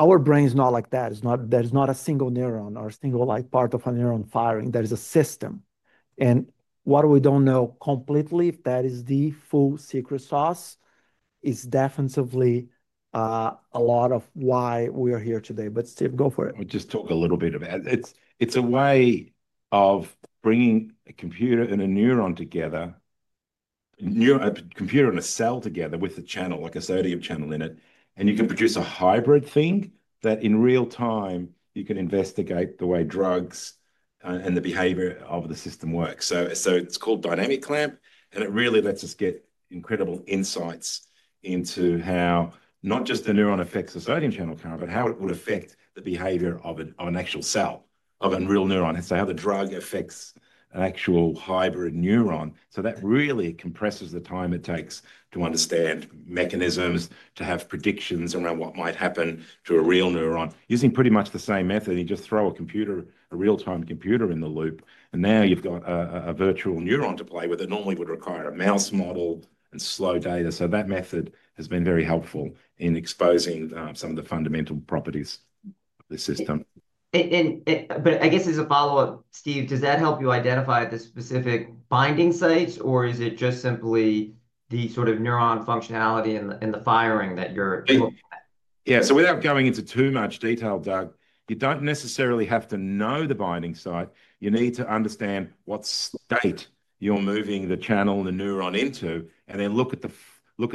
Our brain is not like that. There is not a single neuron or a single part of a neuron firing. There is a system. What we do not know completely, if that is the full secret sauce, is definitively a lot of why we are here today. Steve, go for it. I'll just talk a little bit of it. It's a way of bringing a computer and a neuron together, a computer and a cell together with a channel, like a sodium channel in it. You can produce a hybrid thing that in real time, you can investigate the way drugs and the behavior of the system works. It's called dynamic clamp, and it really lets us get incredible insights into how not just the neuron affects the sodium channel car, but how it would affect the behavior of an actual cell, of a real neuron. So how the drug affects an actual hybrid neuron. That really compresses the time it takes to understand mechanisms, to have predictions around what might happen to a real neuron. Using pretty much the same method, you just throw a computer, a real-time computer in the loop, and now you've got a virtual neuron to play with. It normally would require a mouse model and slow data. That method has been very helpful in exposing some of the fundamental properties of the system. But I guess as a follow-up, Steve, does that help you identify the specific binding sites, or is it just simply the sort of neuron functionality and the firing that you're looking at? Yeah, so without going into too much detail, Doug, you don't necessarily have to know the binding site. You need to understand what state you're moving the channel and the neuron into, and then look at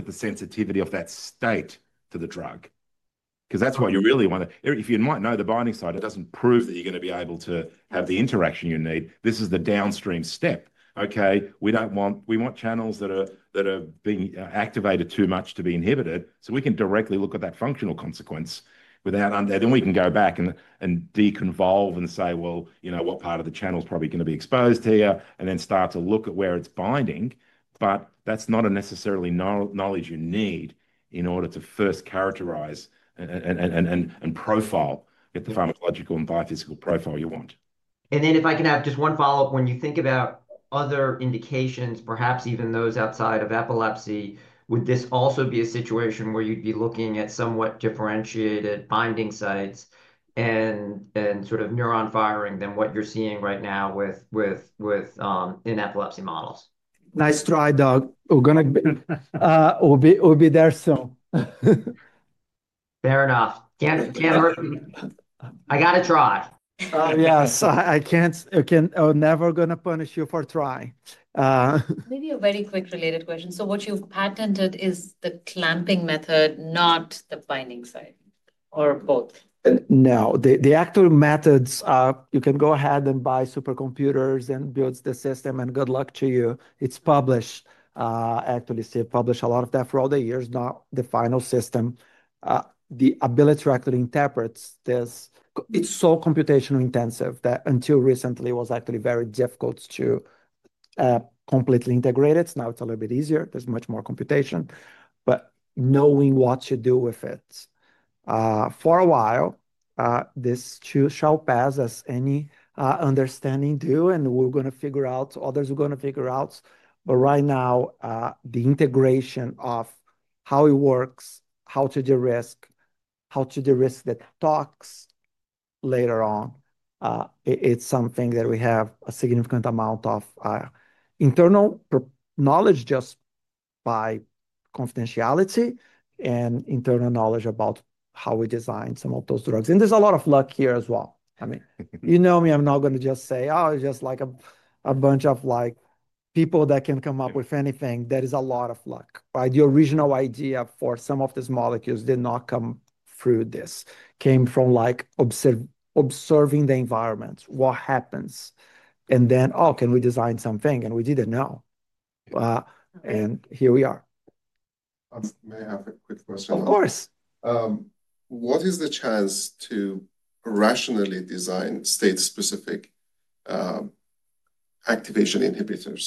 the sensitivity of that state to the drug. Because that's what you really want. If you might know the binding site, it doesn't prove that you're going to be able to have the interaction you need. This is the downstream step. Okay, we want channels that are being activated too much to be inhibited. So we can directly look at that functional consequence without under. We can go back and deconvolve and say, you know what part of the channel is probably going to be exposed here, and then start to look at where it's binding. That's not necessarily knowledge you need in order to first characterize and profile the pharmacological and biophysical profile you want. If I can have just one follow-up, when you think about other indications, perhaps even those outside of epilepsy, would this also be a situation where you'd be looking at somewhat differentiated binding sites and sort of neuron firing than what you're seeing right now in epilepsy models? Nice try, Doug. We'll be there soon. Fair enough. I got to try. Oh, yes. I'm never going to punish you for trying. Maybe a very quick related question. What you've patented is the clamping method, not the binding site, or both? No. The actual methods, you can go ahead and buy supercomputers and build the system, and good luck to you. It's published, actually. Steve published a lot of that for other years, not the final system. The ability to actually interpret this, it's so computationally intensive that until recently, it was actually very difficult to completely integrate it. Now it's a little bit easier. There's much more computation. But knowing what to do with it. For a while, this shall pass as any understanding do, and we're going to figure out, others are going to figure out. Right now, the integration of how it works, how to de-risk, how to de-risk the tox later on, it's something that we have a significant amount of internal knowledge just by confidentiality and internal knowledge about how we designed some of those drugs. There's a lot of luck here as well. I mean, you know me, I'm not going to just say, oh, it's just like a bunch of people that can come up with anything. That is a lot of luck. The original idea for some of these molecules did not come through this. Came from observing the environment, what happens, and then, oh, can we design something? And we didn't know. Here we are. May I have a quick question? Of course. What is the chance to rationally design state-specific activation inhibitors,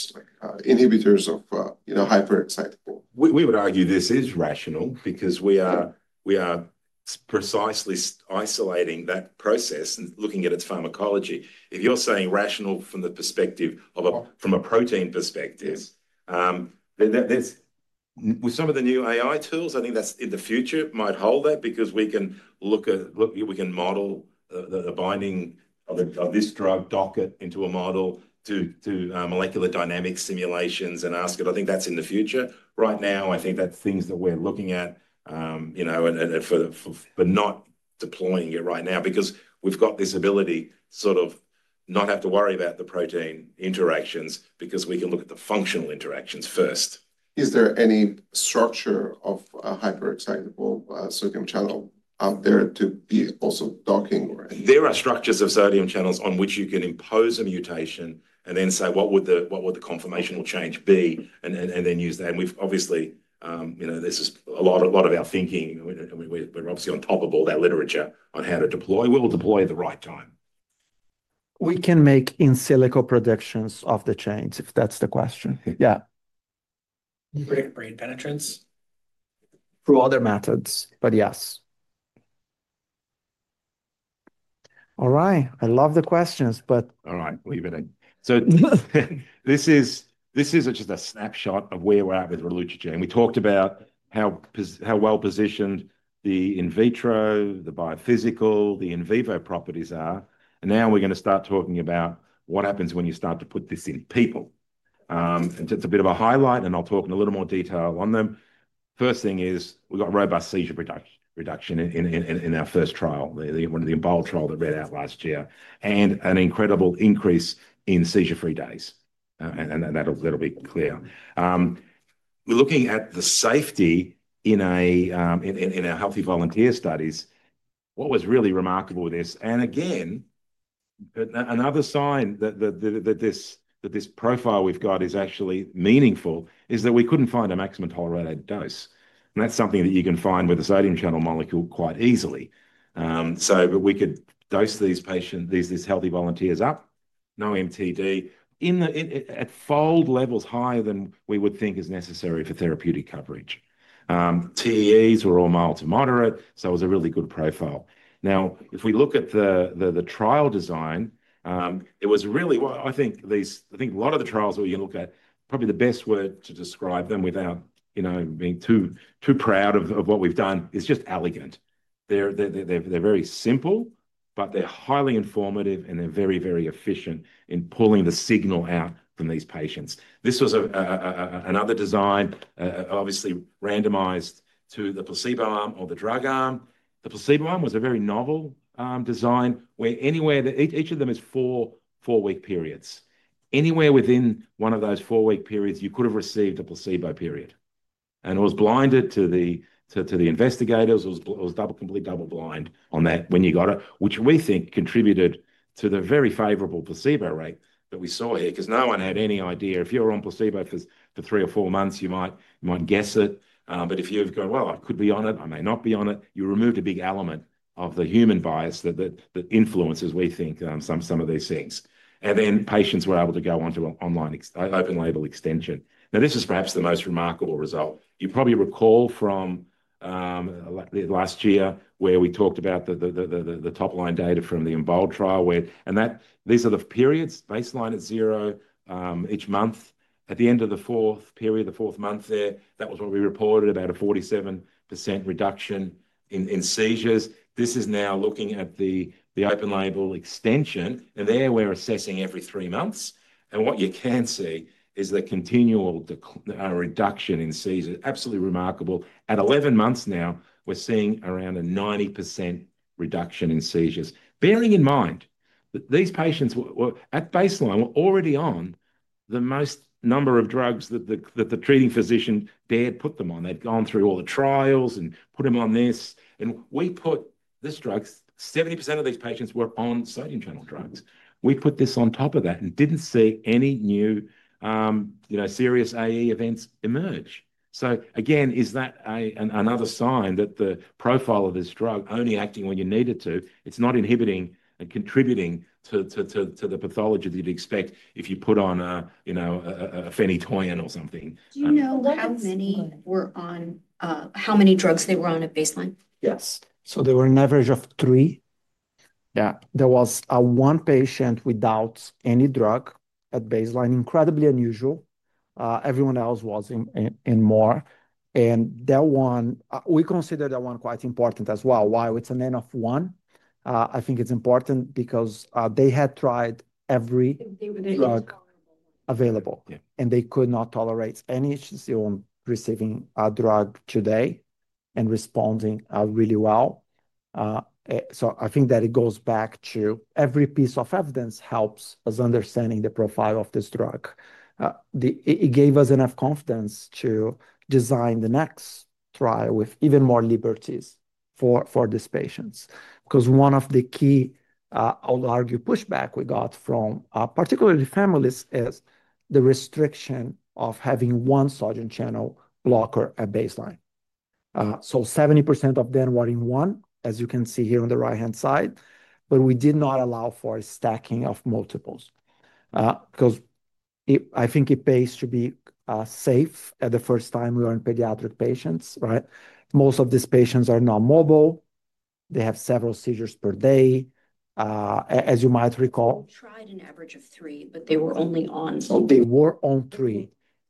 inhibitors of hyperexcitable? We would argue this is rational because we are precisely isolating that process and looking at its pharmacology. If you're saying rational from the perspective of a protein perspective, with some of the new AI tools, I think that's in the future, might hold that because we can model the binding of this drug, dock it into a model to molecular dynamic simulations and ask it. I think that's in the future. Right now, I think that's things that we're looking at for not deploying it right now because we've got this ability to sort of not have to worry about the protein interactions because we can look at the functional interactions first. Is there any structure of a hyperexcitable sodium channel out there to be also docking? There are structures of sodium channels on which you can impose a mutation and then say, what would the conformational change be, and then use that. Obviously, this is a lot of our thinking. We're obviously on top of all that literature on how to deploy. We'll deploy at the right time. We can make in silico predictions of the change, if that's the question. Yeah. Brain penetrance? Through other methods, but yes. All right. I love the questions, but. All right. Leave it in. This is just a snapshot of where we're at with relutrigine. We talked about how well-positioned the in vitro, the biophysical, the in vivo properties are. Now we're going to start talking about what happens when you start to put this in people. It's a bit of a highlight, and I'll talk in a little more detail on them. First thing is we've got robust seizure reduction in our first trial, one of the EMERALD trials that ran out last year, and an incredible increase in seizure-free days. That'll be clear. We're looking at the safety in our healthy volunteer studies. What was really remarkable with this, and again, another sign that this profile we've got is actually meaningful, is that we couldn't find a maximum tolerated dose. That's something that you can find with a sodium channel molecule quite easily. We could dose these healthy volunteers up, no MTD, at fold levels higher than we would think is necessary for therapeutic coverage. DEEs were all mild to moderate, so it was a really good profile. Now, if we look at the trial design, it was really, I think a lot of the trials we're going to look at, probably the best word to describe them without being too proud of what we've done is just elegant. They're very simple, but they're highly informative, and they're very, very efficient in pulling the signal out from these patients. This was another design, obviously randomized to the placebo arm or the drug arm. The placebo arm was a very novel design where each of them is four-week periods. Anywhere within one of those four-week periods, you could have received a placebo period. It was blinded to the investigators. It was complete double-blind on that when you got it, which we think contributed to the very favorable placebo rate that we saw here because no one had any idea. If you were on placebo for three or four months, you might guess it. If you've gone, well, I could be on it, I may not be on it, you removed a big element of the human bias that influences, we think, some of these things. Patients were able to go on to an open-label extension. This is perhaps the most remarkable result. You probably recall from last year where we talked about the top-line data from the EMBOLD trial where, and these are the periods, baseline at zero each month. At the end of the fourth period, the fourth month there, that was what we reported, about a 47% reduction in seizures. This is now looking at the open-label extension, and there we are assessing every three months. What you can see is the continual reduction in seizures. Absolutely remarkable. At 11 months now, we are seeing around a 90% reduction in seizures. Bearing in mind that these patients at baseline were already on the most number of drugs that the treating physician dared put them on. They had gone through all the trials and put them on this. We put this drug, 70% of these patients were on sodium channel drugs. We put this on top of that and didn't see any new serious AE events emerge. Again, is that another sign that the profile of this drug, only acting when you need it to, it's not inhibiting and contributing to the pathology that you'd expect if you put on a phenytoin or something? Do you know how many were on how many drugs they were on at baseline? Yes. There were an average of three. There was one patient without any drug at baseline, incredibly unusual. Everyone else was in more. We consider that one quite important as well. While it's an N of one, I think it's important because they had tried every drug available. They could not tolerate any. She's the only receiving a drug today and responding really well. I think that it goes back to every piece of evidence helps us understanding the profile of this drug. It gave us enough confidence to design the next trial with even more liberties for these patients. Because one of the key, I'll argue, pushback we got from particularly families is the restriction of having one sodium channel blocker at baseline. 70% of them were in one, as you can see here on the right-hand side. We did not allow for a stacking of multiples. I think it pays to be safe at the first time we were in pediatric patients, right? Most of these patients are not mobile. They have several seizures per day, as you might recall. We tried an average of three, but they were only on. They were on three.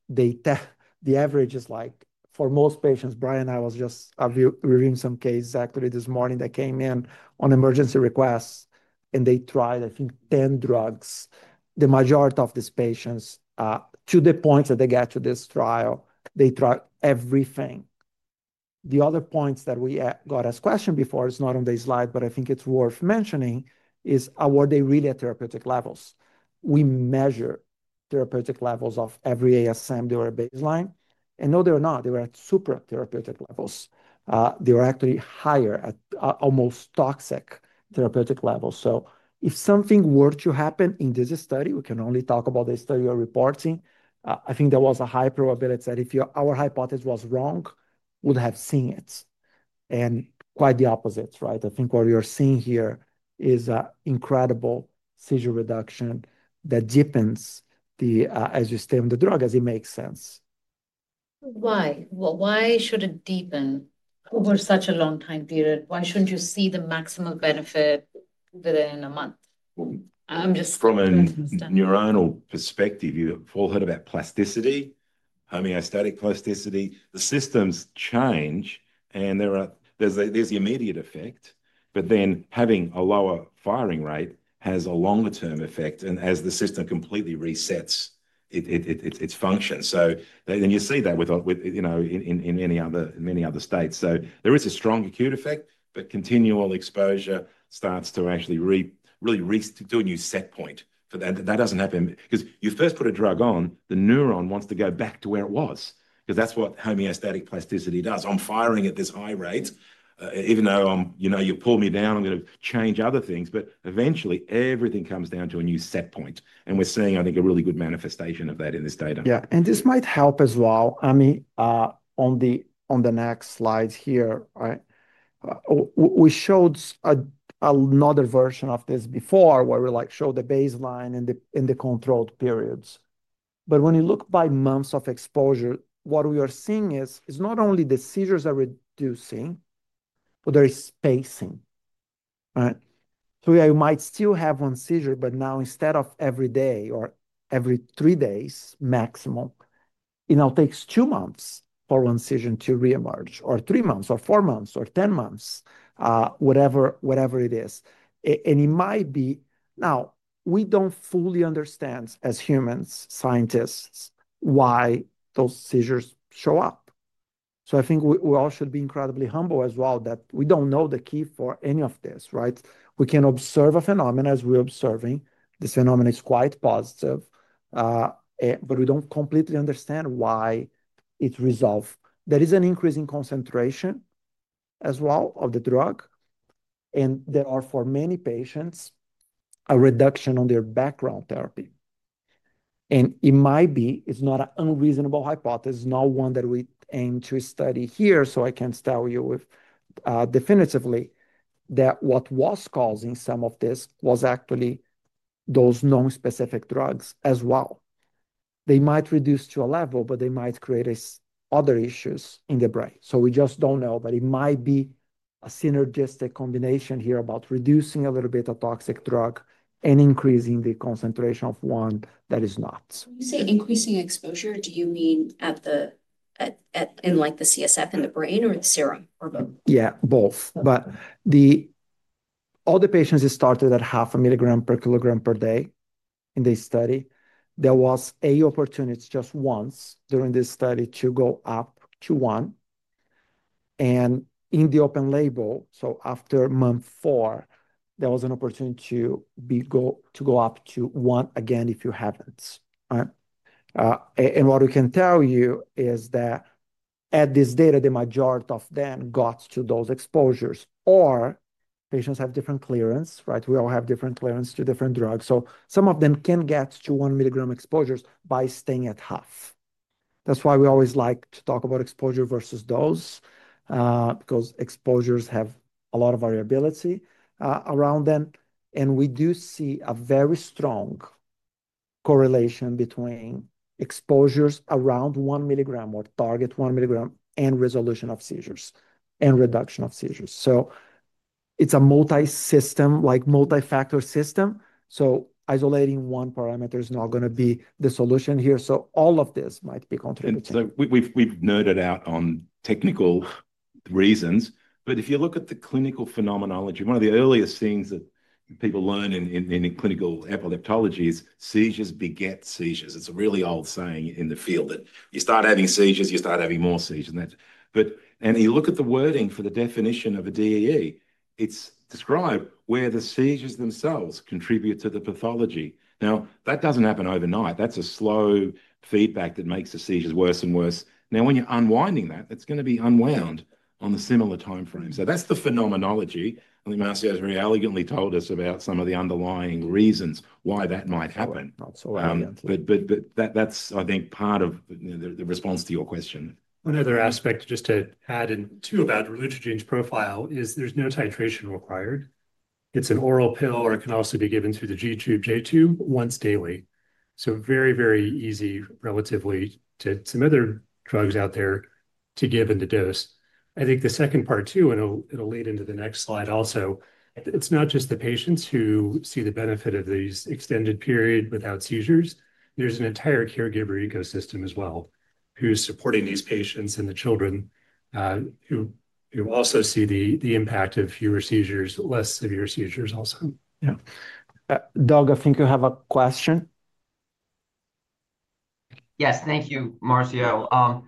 The average is like, for most patients, Brian and I was just reviewing some cases actually this morning that came in on emergency requests, and they tried, I think, 10 drugs. The majority of these patients, to the point that they got to this trial, they tried everything. The other points that we got asked questions before, it's not on the slide, but I think it's worth mentioning, is were they really at therapeutic levels? We measure therapeutic levels of every ASM during baseline. And no, they were not. They were at supratherapeutic levels. They were actually higher at almost toxic therapeutic levels. If something were to happen in this study, we can only talk about this study or reporting, I think there was a high probability that if our hypothesis was wrong, we would have seen it. Quite the opposite, right? I think what you're seeing here is an incredible seizure reduction that deepens, as you stated, the drug, as it makes sense. Why? Why should it deepen over such a long time period? Why shouldn't you see the maximum benefit within a month? From a neuronal perspective, you've all heard about plasticity, homeostatic plasticity. The systems change, and there's the immediate effect. Then having a lower firing rate has a longer-term effect, and as the system completely resets its function. You see that in many other states. There is a strong acute effect, but continual exposure starts to actually really do a new set point. That does not happen because you first put a drug on, the neuron wants to go back to where it was, because that's what homeostatic plasticity does. I'm firing at this high rate, even though you pull me down, I'm going to change other things. Eventually, everything comes down to a new set point. We're seeing, I think, a really good manifestation of that in this data. Yeah. This might help as well. On the next slide here, we showed another version of this before where we showed the baseline and the controlled periods. When you look by months of exposure, what we are seeing is not only the seizures are reducing, but there is spacing. You might still have one seizure, but now instead of every day or every three days maximum, it now takes two months for one seizure to reemerge, or three months, or four months, or 10 months, whatever it is. It might be now, we don't fully understand as humans, scientists, why those seizures show up. I think we all should be incredibly humble as well that we don't know the key for any of this, right? We can observe a phenomenon as we're observing. This phenomenon is quite positive. We don't completely understand why it resolved. There is an increase in concentration as well of the drug. There are, for many patients, a reduction on their background therapy. It might be, it's not an unreasonable hypothesis, not one that we aim to study here. I can't tell you definitively that what was causing some of this was actually those non-specific drugs as well. They might reduce to a level, but they might create other issues in the brain. We just don't know, but it might be a synergistic combination here about reducing a little bit of toxic drug and increasing the concentration of one that is not. When you say increasing exposure, do you mean in the CSF in the brain or the serum or both? Yeah, both. All the patients started at half a milligram per kilogram per day in this study. There was an opportunity just once during this study to go up to one. In the open label, after month four, there was an opportunity to go up to one again if you haven't. What we can tell you is that at this data, the majority of them got to those exposures. Patients have different clearance, right? We all have different clearance to different drugs. Some of them can get to one milligram exposures by staying at half. That's why we always like to talk about exposure versus dose because exposures have a lot of variability around them. We do see a very strong correlation between exposures around one milligram or target one milligram and resolution of seizures and reduction of seizures. It is a multi-system, like multi-factor system. Isolating one parameter is not going to be the solution here. All of this might be contributing. We've nerded out on technical reasons. If you look at the clinical phenomenology, one of the earliest things that people learn in clinical epileptology is seizures beget seizures. It is a really old saying in the field that you start having seizures, you start having more seizures. You look at the wording for the definition of a DEE, it is described where the seizures themselves contribute to the pathology. That does not happen overnight. That's a slow feedback that makes the seizures worse and worse. Now, when you're unwinding that, it's going to be unwound on a similar timeframe. That's the phenomenology. I think Marcio has very elegantly told us about some of the underlying reasons why that might happen. Absolutely. That's, I think, part of the response to your question. One other aspect just to add in too about relutrigine's profile is there's no titration required. It's an oral pill or it can also be given through the G-tube, J-tube once daily. Very, very easy, relatively, to some other drugs out there to give in the dose. I think the second part too, and it'll lead into the next slide also, it's not just the patients who see the benefit of these extended period without seizures. There's an entire caregiver ecosystem as well who's supporting these patients and the children who also see the impact of fewer seizures, less severe seizures also. Yeah. Doug, I think you have a question. Yes, thank you, Marcio.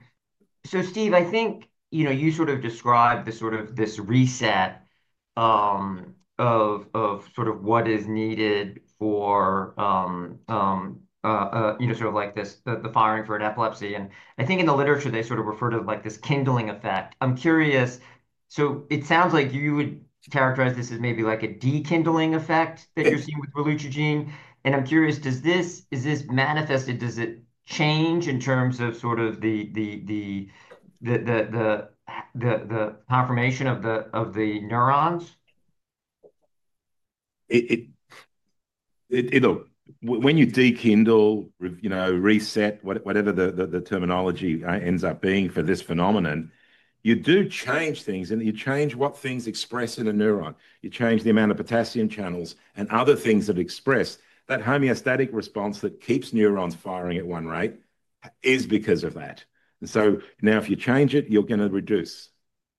Steve, I think you sort of described this reset of sort of what is needed for sort of like the firing for an epilepsy. I think in the literature, they sort of refer to this kindling effect. I'm curious, it sounds like you would characterize this as maybe like a de-kindling effect that you're seeing with relutrigine. I'm curious, is this manifested? Does it change in terms of sort of the confirmation of the neurons? When you de-kindle, reset, whatever the terminology ends up being for this phenomenon, you do change things. You change what things express in a neuron. You change the amount of potassium channels and other things that express. That homeostatic response that keeps neurons firing at one rate is because of that. If you change it, you're going to reduce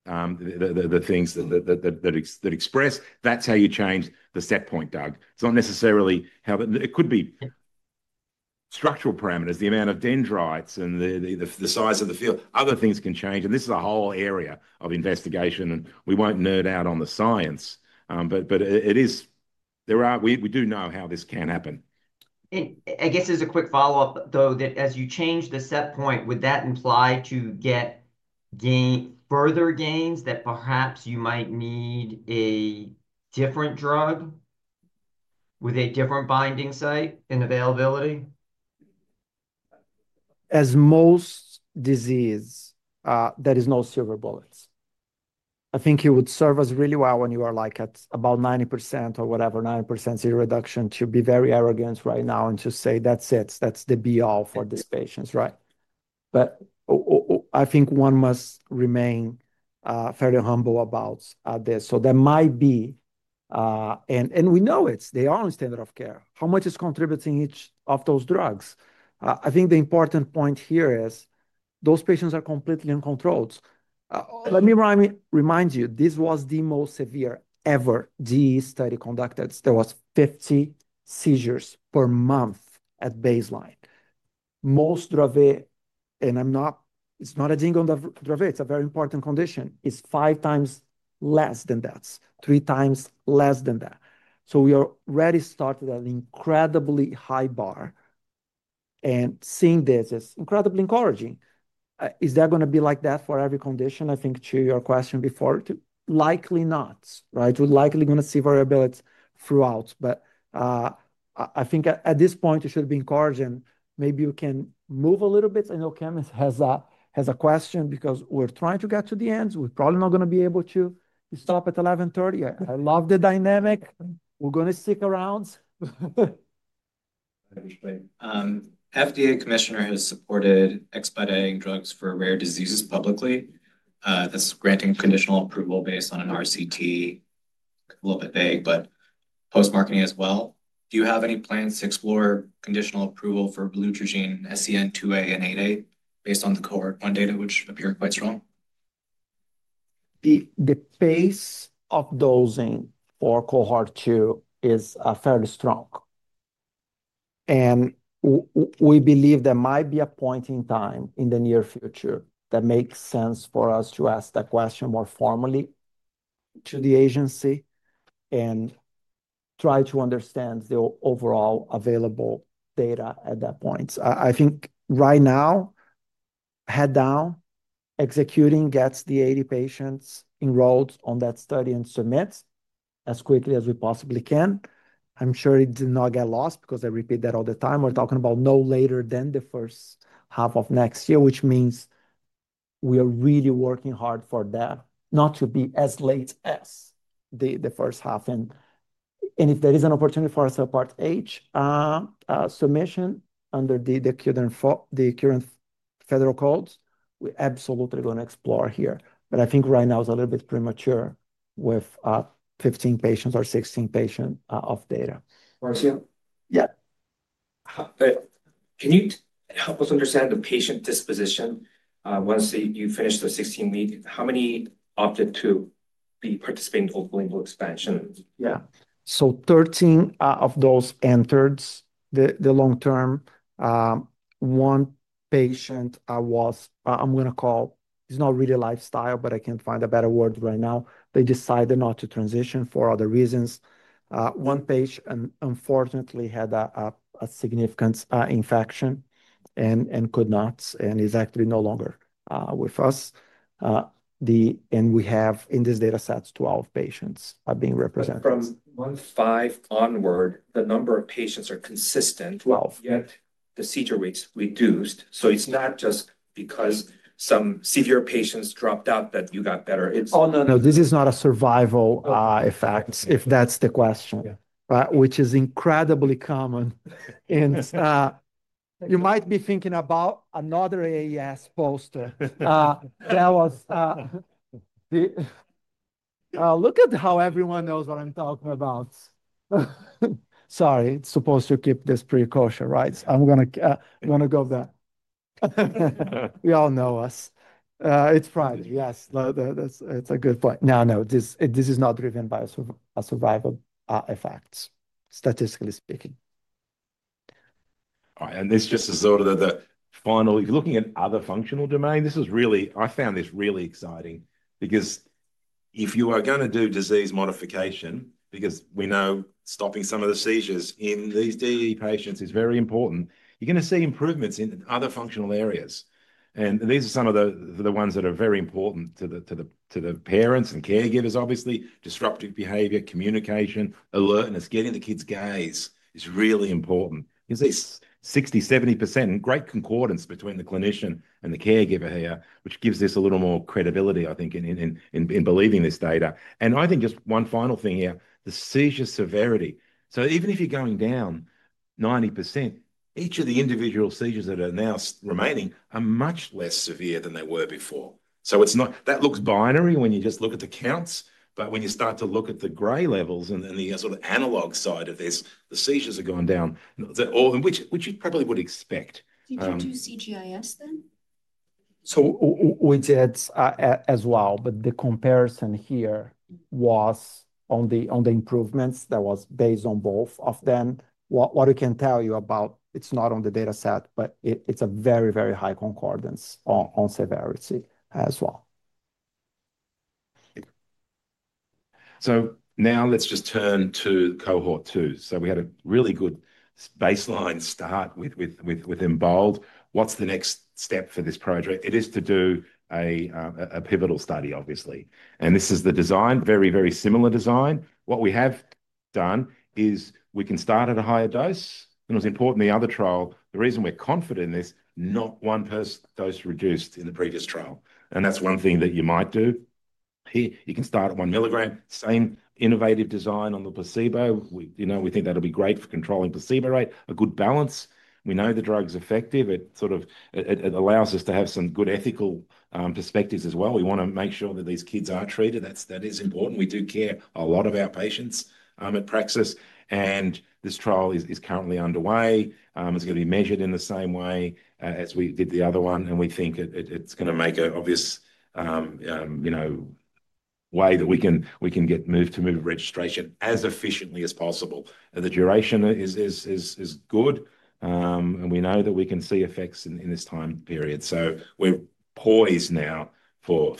the things that express. That's how you change the set point, Doug. It's not necessarily how it could be structural parameters, the amount of dendrites and the size of the field. Other things can change. This is a whole area of investigation. We won't nerd out on the science. We do know how this can happen. I guess as a quick follow-up, though, that as you change the set point, would that imply to get further gains that perhaps you might need a different drug with a different binding site and availability? As most disease, there are no silver bullets. I think it would serve us really well when you are at about 90% or whatever, 90% seizure reduction to be very arrogant right now and to say, "That's it. That's the be-all for these patients," right? I think one must remain fairly humble about this. There might be—and we know it's the only standard of care—how much is contributing each of those drugs. I think the important point here is those patients are completely uncontrolled. Let me remind you, this was the most severe ever DEE study conducted. There were 50 seizures per month at baseline. Most Dravet, and it's not a jingle on the Dravet, it's a very important condition. It's five times less than that, three times less than that. We already started at an incredibly high bar. Seeing this is incredibly encouraging. Is that going to be like that for every condition? I think to your question before, likely not, right? We're likely going to see variability throughout. I think at this point, it should be encouraging. Maybe you can move a little bit. I know Candace has a question because we're trying to get to the end. We're probably not going to be able to stop at 11:30. I love the dynamic. We're going to stick around. I appreciate it. FDA Commissioner has supported expediting drugs for rare diseases publicly. That's granting conditional approval based on an RCT, a little bit vague, but post-marketing as well. Do you have any plans to explore conditional approval for relutrigine SCN2A and 8A based on the Cohort 1 data, which appear quite strong? The base of dosing for Cohort 2 is fairly strong. We believe there might be a point in time in the near future that makes sense for us to ask that question more formally to the agency and try to understand the overall available data at that point. I think right now, head down, executing, gets the 80 patients enrolled on that study and submit as quickly as we possibly can. I'm sure it did not get lost because I repeat that all the time. We're talking about no later than the first half of next year, which means we are really working hard for that, not to be as late as the first half. If there is an opportunity for a subpart H submission under the current federal codes, we're absolutely going to explore here. I think right now it's a little bit premature with 15 patients or 16 patients of data. Marcio. Yeah. Can you help us understand the patient disposition once you finish the 16 weeks? How many opted to be participating in open-label expansion? Yeah. Thirteen of those entered the long-term. One patient was, I'm going to call, it's not really lifestyle, but I can't find a better word right now. They decided not to transition for other reasons. One patient, unfortunately, had a significant infection and could not, and is actually no longer with us. And we have in this data set, twelve patients are being represented. From month five onward, the number of patients are consistent. Twelve. Yet the seizure rates reduced. So it's not just because some severe patients dropped out that you got better. Oh, no, no. This is not a survival effect, if that's the question, which is incredibly common. You might be thinking about another AES poster. Look at how everyone knows what I'm talking about. Sorry, it's supposed to keep this precaution, right? I'm going to go there. We all know us. It's Friday. Yes, it's a good point. No, no, this is not driven by survival effects, statistically speaking. All right. It's just as though the final, if you're looking at other functional domain, this is really, I found this really exciting because if you are going to do disease modification, because we know stopping some of the seizures in these DEE patients is very important, you're going to see improvements in other functional areas. These are some of the ones that are very important to the parents and caregivers, obviously. Disruptive behavior, communication, alertness, getting the kids' gaze is really important. You see 60%-70% great concordance between the clinician and the caregiver here, which gives us a little more credibility, I think, in believing this data. I think just one final thing here, the seizure severity. Even if you're going down 90%, each of the individual seizures that are now remaining are much less severe than they were before. That looks binary when you just look at the counts. When you start to look at the gray levels and the sort of analog side of this, the seizures have gone down, which you probably would expect. Did you do CGIS then? We did as well, but the comparison here was on the improvements that was based on both of them. What I can tell you about, it's not on the data set, but it's a very, very high concordance on severity as well. Now let's just turn to Cohort 2. We had a really good baseline start within bold. What's the next step for this project? It is to do a pivotal study, obviously. This is the design, very, very similar design. What we have done is we can start at a higher dose. It was important in the other trial. The reason we're confident in this, not one dose reduced in the previous trial. That's one thing that you might do. You can start at 1 mg. Same innovative design on the placebo. We think that'll be great for controlling placebo rate, a good balance. We know the drug's effective. It allows us to have some good ethical perspectives as well. We want to make sure that these kids are treated. That is important. We do care a lot about patients at Praxis. This trial is currently underway. It's going to be measured in the same way as we did the other one. We think it's going to make an obvious way that we can get move-to-move registration as efficiently as possible. The duration is good. We know that we can see effects in this time period. We're poised now for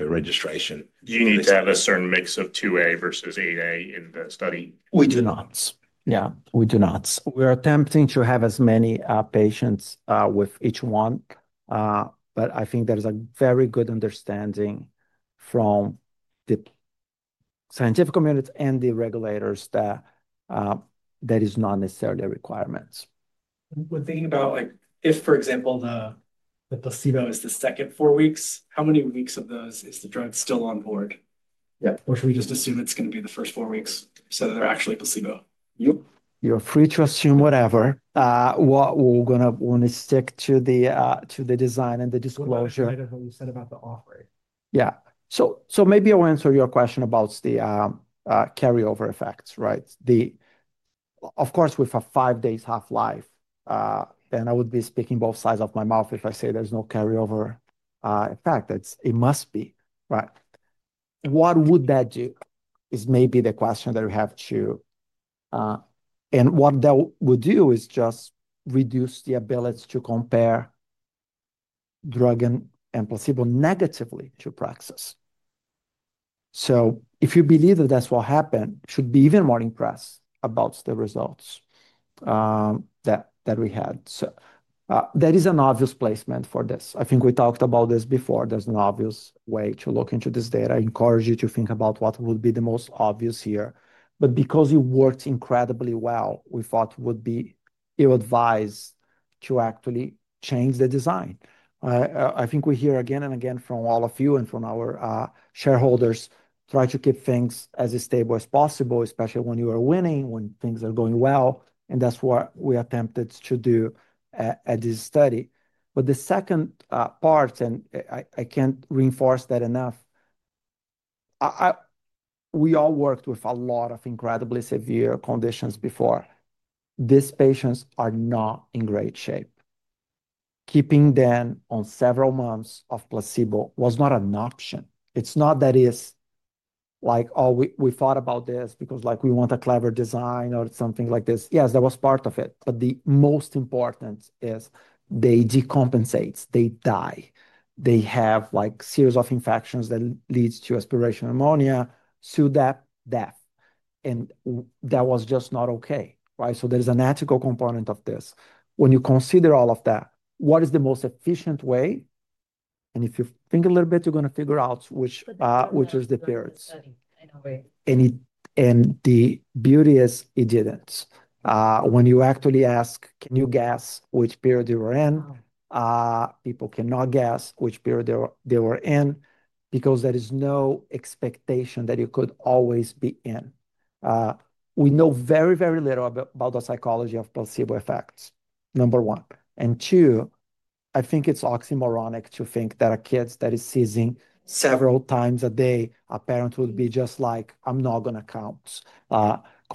registration. You need to have a certain mix of 2A versus 8A in the study. We do not. Yeah, we do not. We're attempting to have as many patients with each one. I think there's a very good understanding from the scientific community and the regulators that that is not necessarily a requirement. When thinking about if, for example, the placebo is the second four weeks, how many weeks of those is the drug still on board? Yeah. Should we just assume it's going to be the first four weeks so that they're actually placebo? You're free to assume whatever. We're going to stick to the design and the disclosure. I like how you said about the offering. Yeah. Maybe I'll answer your question about the carryover effects, right? Of course, we've had five days half-life. I would be speaking both sides of my mouth if I say there's no carryover effect. It must be, right? What would that do is maybe the question that we have to—and what that would do is just reduce the ability to compare drug and placebo negatively to Praxis. If you believe that that's what happened, you should be even more impressed about the results that we had. That is an obvious placement for this. I think we talked about this before. There's an obvious way to look into this data. I encourage you to think about what would be the most obvious here. Because it worked incredibly well, we thought it would be advised to actually change the design. I think we hear again and again from all of you and from our shareholders, try to keep things as stable as possible, especially when you are winning, when things are going well. That is what we attempted to do at this study. The second part, and I can't reinforce that enough, we all worked with a lot of incredibly severe conditions before. These patients are not in great shape. Keeping them on several months of placebo was not an option. It's not that it's like, "Oh, we thought about this because we want a clever design or something like this." Yes, that was part of it. The most important is they decompensate. They die. They have a series of infections that leads to aspiration pneumonia, pseudo-death. That was just not okay, right? There is an ethical component of this. When you consider all of that, what is the most efficient way? If you think a little bit, you're going to figure out which is the periods. The beauty is it didn't. When you actually ask, "Can you guess which period you were in?" people cannot guess which period they were in because there is no expectation that you could always be in. We know very, very little about the psychology of placebo effects, number one. Two, I think it's oxymoronic to think that a kid that is seizing several times a day, a parent would be just like, "I'm not going to count."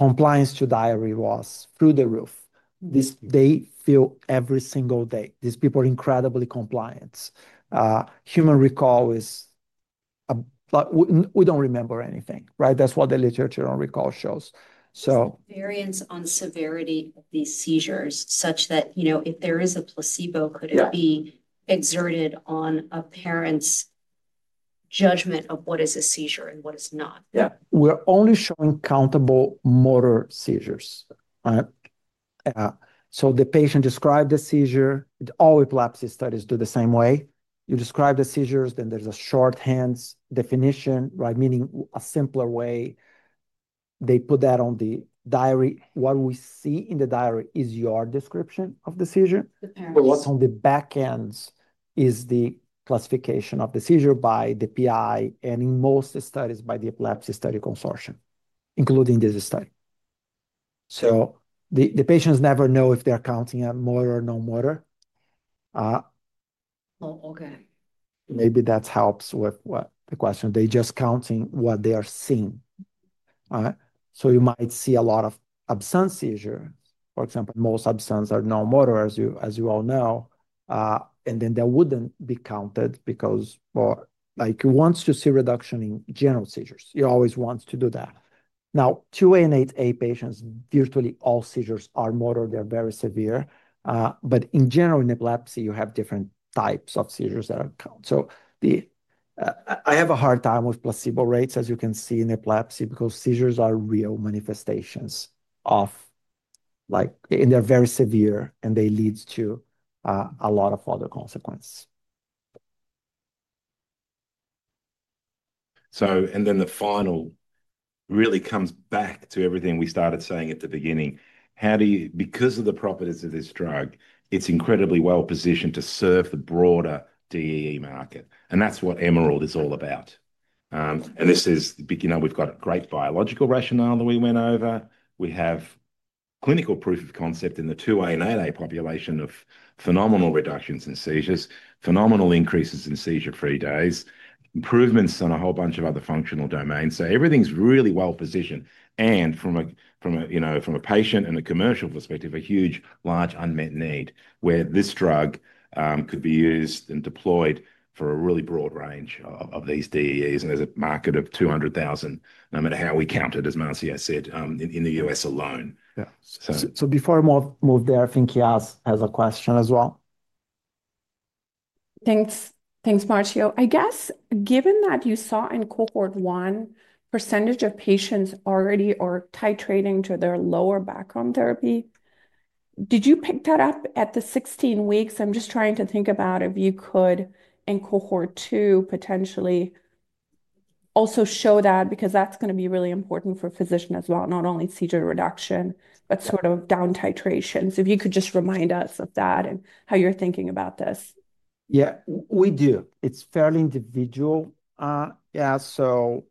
Compliance to diary was through the roof. They feel every single day. These people are incredibly compliant. Human recall is—we don't remember anything, right? That's what the literature on recall shows. So variance on severity of these seizures such that if there is a placebo, could it be exerted on a parent's judgment of what is a seizure and what is not? Yeah. We're only showing countable motor seizures, right? So the patient described the seizure. All epilepsy studies do the same way. You describe the seizures, then there's a shorthand definition, right? Meaning a simpler way. They put that on the diary. What we see in the diary is your description of the seizure. What's on the back end is the classification of the seizure by the PI and in most studies by the Epilepsy Study Consortium, including this study. So the patients never know if they're counting a motor or no motor. Oh, okay. Maybe that helps with the question. They're just counting what they are seeing. You might see a lot of absent seizures. For example, most absents are no motor, as you all know. That wouldn't be counted because he wants to see reduction in general seizures. He always wants to do that. Now, 2A and 8A patients, virtually all seizures are motor. They're very severe. In general, in epilepsy, you have different types of seizures that are count. I have a hard time with placebo rates, as you can see in epilepsy, because seizures are real manifestations of—and they're very severe, and they lead to a lot of other consequences. The final really comes back to everything we started saying at the beginning. Because of the properties of this drug, it's incredibly well-positioned to serve the broader DEE market. That is what EMERALD is all about. This is—we have great biological rationale that we went over. We have clinical proof of concept in the 2A and 8A population of phenomenal reductions in seizures, phenomenal increases in seizure-free days, improvements on a whole bunch of other functional domains. Everything is really well-positioned. From a patient and a commercial perspective, a huge, large unmet need where this drug could be used and deployed for a really broad range of these DEEs. There is a market of 200,000, no matter how we count it, as Marcio said, in the U.S. alone. Before I move there, I think she has a question as well. Thanks, Marcio. I guess, given that you saw in cohort one, percentage of patients already are titrating to their lower background therapy. Did you pick that up at the 16 weeks? I'm just trying to think about if you could, in cohort two, potentially also show that because that's going to be really important for physicians as well, not only seizure reduction, but sort of down titration. If you could just remind us of that and how you're thinking about this. Yeah, we do. It's fairly individual. Yeah. After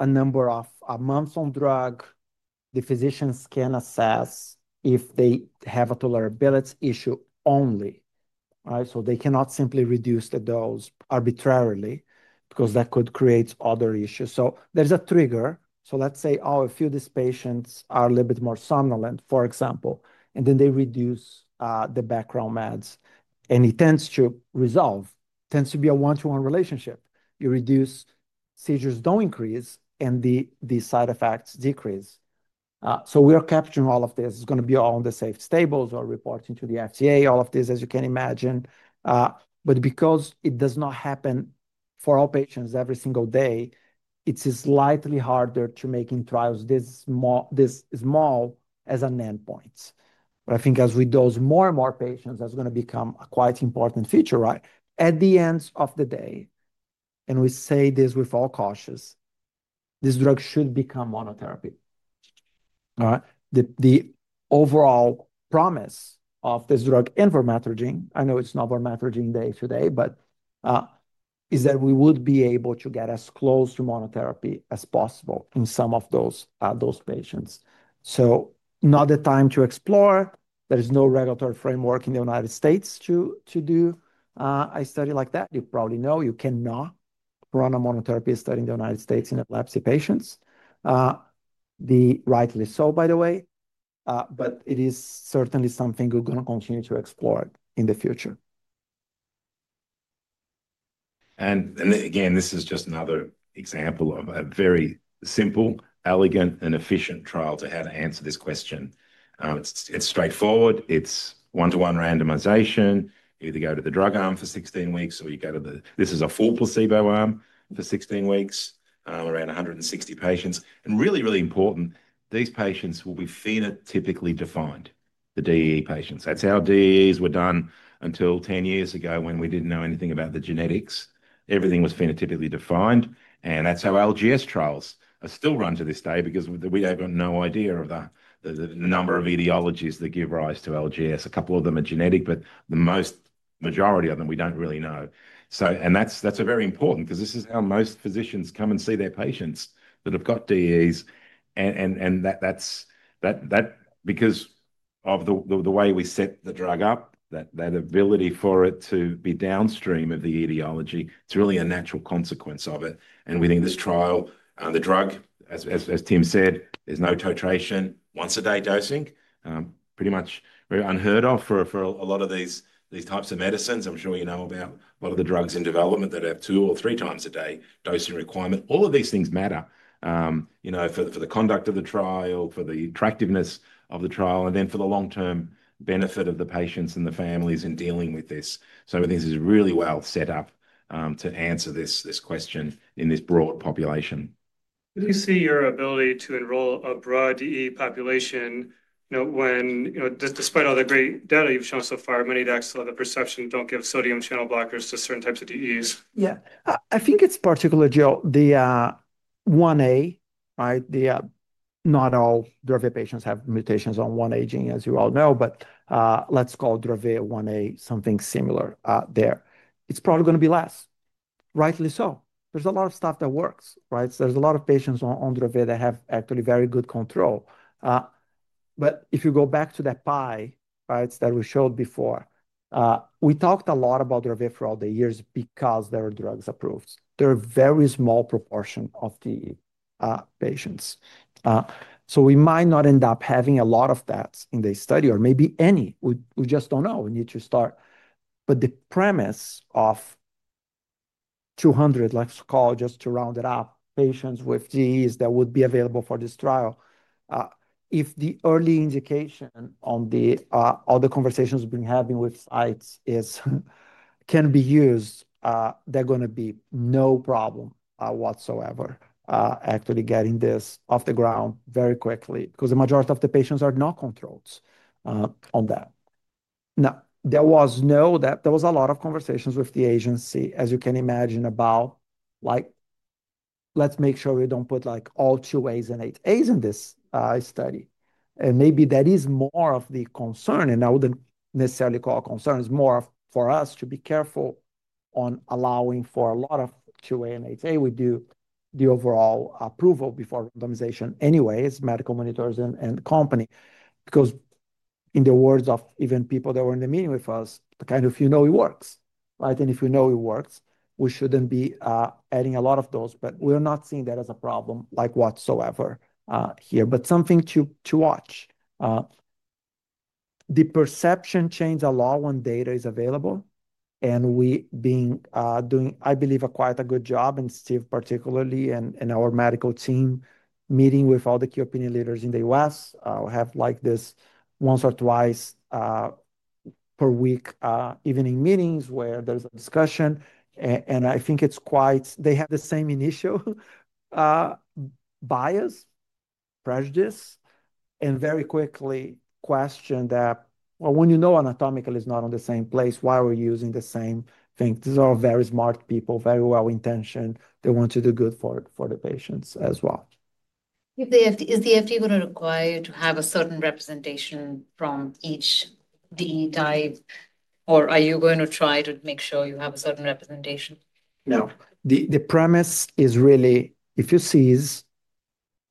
a number of months on drug, the physicians can assess if they have a tolerability issue only. They cannot simply reduce the dose arbitrarily because that could create other issues. There's a trigger. Let's say, "Oh, a few of these patients are a little bit more somnolent," for example, and then they reduce the background meds. It tends to resolve. It tends to be a one-to-one relationship. You reduce seizures, don't increase, and the side effects decrease. We are capturing all of this. It's going to be all on the safe tables or reporting to the FDA, all of this, as you can imagine. Because it does not happen for all patients every single day, it is slightly harder to make in trials this small as an endpoint. I think as we dose more and more patients, that's going to become a quite important feature, right? At the end of the day, and we say this with all cautious, this drug should become monotherapy. The overall promise of this drug and relutrigine, I know it's not relutrigine day today, but is that we would be able to get as close to monotherapy as possible in some of those patients. Not the time to explore. There is no regulatory framework in the United States to do a study like that. You probably know you cannot run a monotherapy study in the United States in epilepsy patients. Rightly so, by the way. It is certainly something we're going to continue to explore in the future. Again, this is just another example of a very simple, elegant, and efficient trial to how to answer this question. It's straightforward. It's one-to-one randomization. You either go to the drug arm for 16 weeks or you go to the full placebo arm for 16 weeks, around 160 patients. Really, really important, these patients will be phenotypically defined, the DEE patients. That's how DEEs were done until 10 years ago when we didn't know anything about the genetics. Everything was phenotypically defined. That's how LGS trials are still run to this day because we have no idea of the number of etiologies that give rise to LGS. A couple of them are genetic, but the majority of them, we don't really know. That is very important because this is how most physicians come and see their patients that have got DEEs. That is because of the way we set the drug up, that ability for it to be downstream of the etiology, it is really a natural consequence of it. Within this trial, the drug, as Tim said, there is no titration, once-a-day dosing, pretty much unheard of for a lot of these types of medicines. I'm sure you know about a lot of the drugs in development that have two or three times-a-day dosing requirement. All of these things matter for the conduct of the trial, for the attractiveness of the trial, and then for the long-term benefit of the patients and the families in dealing with this. I think this is really well set up to answer this question in this broad population. Do you see your ability to enroll a broad DEE population when despite all the great data you've shown so far, many of the perceptions do not give sodium channel blockers to certain types of DEEs? Yeah. I think it's particularly the 1A, right? Not all Dravet patients have mutations on 1A gene, as you all know, but let's call Dravet 1A, something similar there. It's probably going to be less. Rightly so. There's a lot of stuff that works, right? There's a lot of patients on Dravet that have actually very good control. If you go back to that pie that we showed before, we talked a lot about Dravet for all the years because there are drugs approved. They're a very small proportion of the patients. We might not end up having a lot of that in the study or maybe any. We just do not know. We need to start. The premise of 200, let's call it just to round it up, patients with DEEs that would be available for this trial, if the early indication on all the conversations we have been having with sites can be used, there is going to be no problem whatsoever actually getting this off the ground very quickly because the majority of the patients are not controlled on that. There was a lot of conversations with the agency, as you can imagine, about, "Let's make sure we do not put all 2As and 8As in this study." Maybe that is more of the concern. I would not necessarily call it concern. It is more for us to be careful on allowing for a lot of 2A and 8A. We do the overall approval before randomization anyways, medical monitors and company. In the words of even people that were in the meeting with us, kind of, "If you know it works, right? And if you know it works, we shouldn't be adding a lot of those." We're not seeing that as a problem whatsoever here, something to watch. The perception changes a lot when data is available. We've been doing, I believe, quite a good job, and Steve particularly, and our medical team meeting with all the key opinion leaders in the U.S. We have this once or twice per week evening meetings where there's a discussion. I think they have the same initial bias, prejudice, and very quickly question that, "Well, when you know anatomical is not in the same place, why are we using the same thing?" These are very smart people, very well-intentioned. They want to do good for the patients as well. Is the FDA going to require you to have a certain representation from each DEE type? Or are you going to try to make sure you have a certain representation? No. The premise is really, if you seize,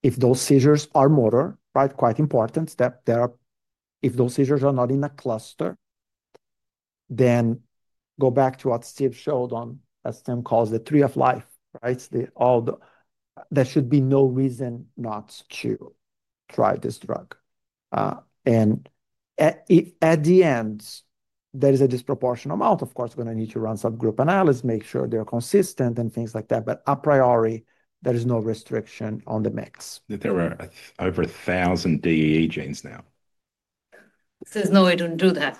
if those seizures are motor, right, quite important, if those seizures are not in a cluster, then go back to what Steve showed on, as Tim calls it, the tree of life, right? There should be no reason not to try this drug. At the end, there is a disproportional amount, of course, going to need to run subgroup analysis, make sure they're consistent, and things like that. A priori, there is no restriction on the mix. There are over 1,000 DEE genes now. It says, "No, we don't do that."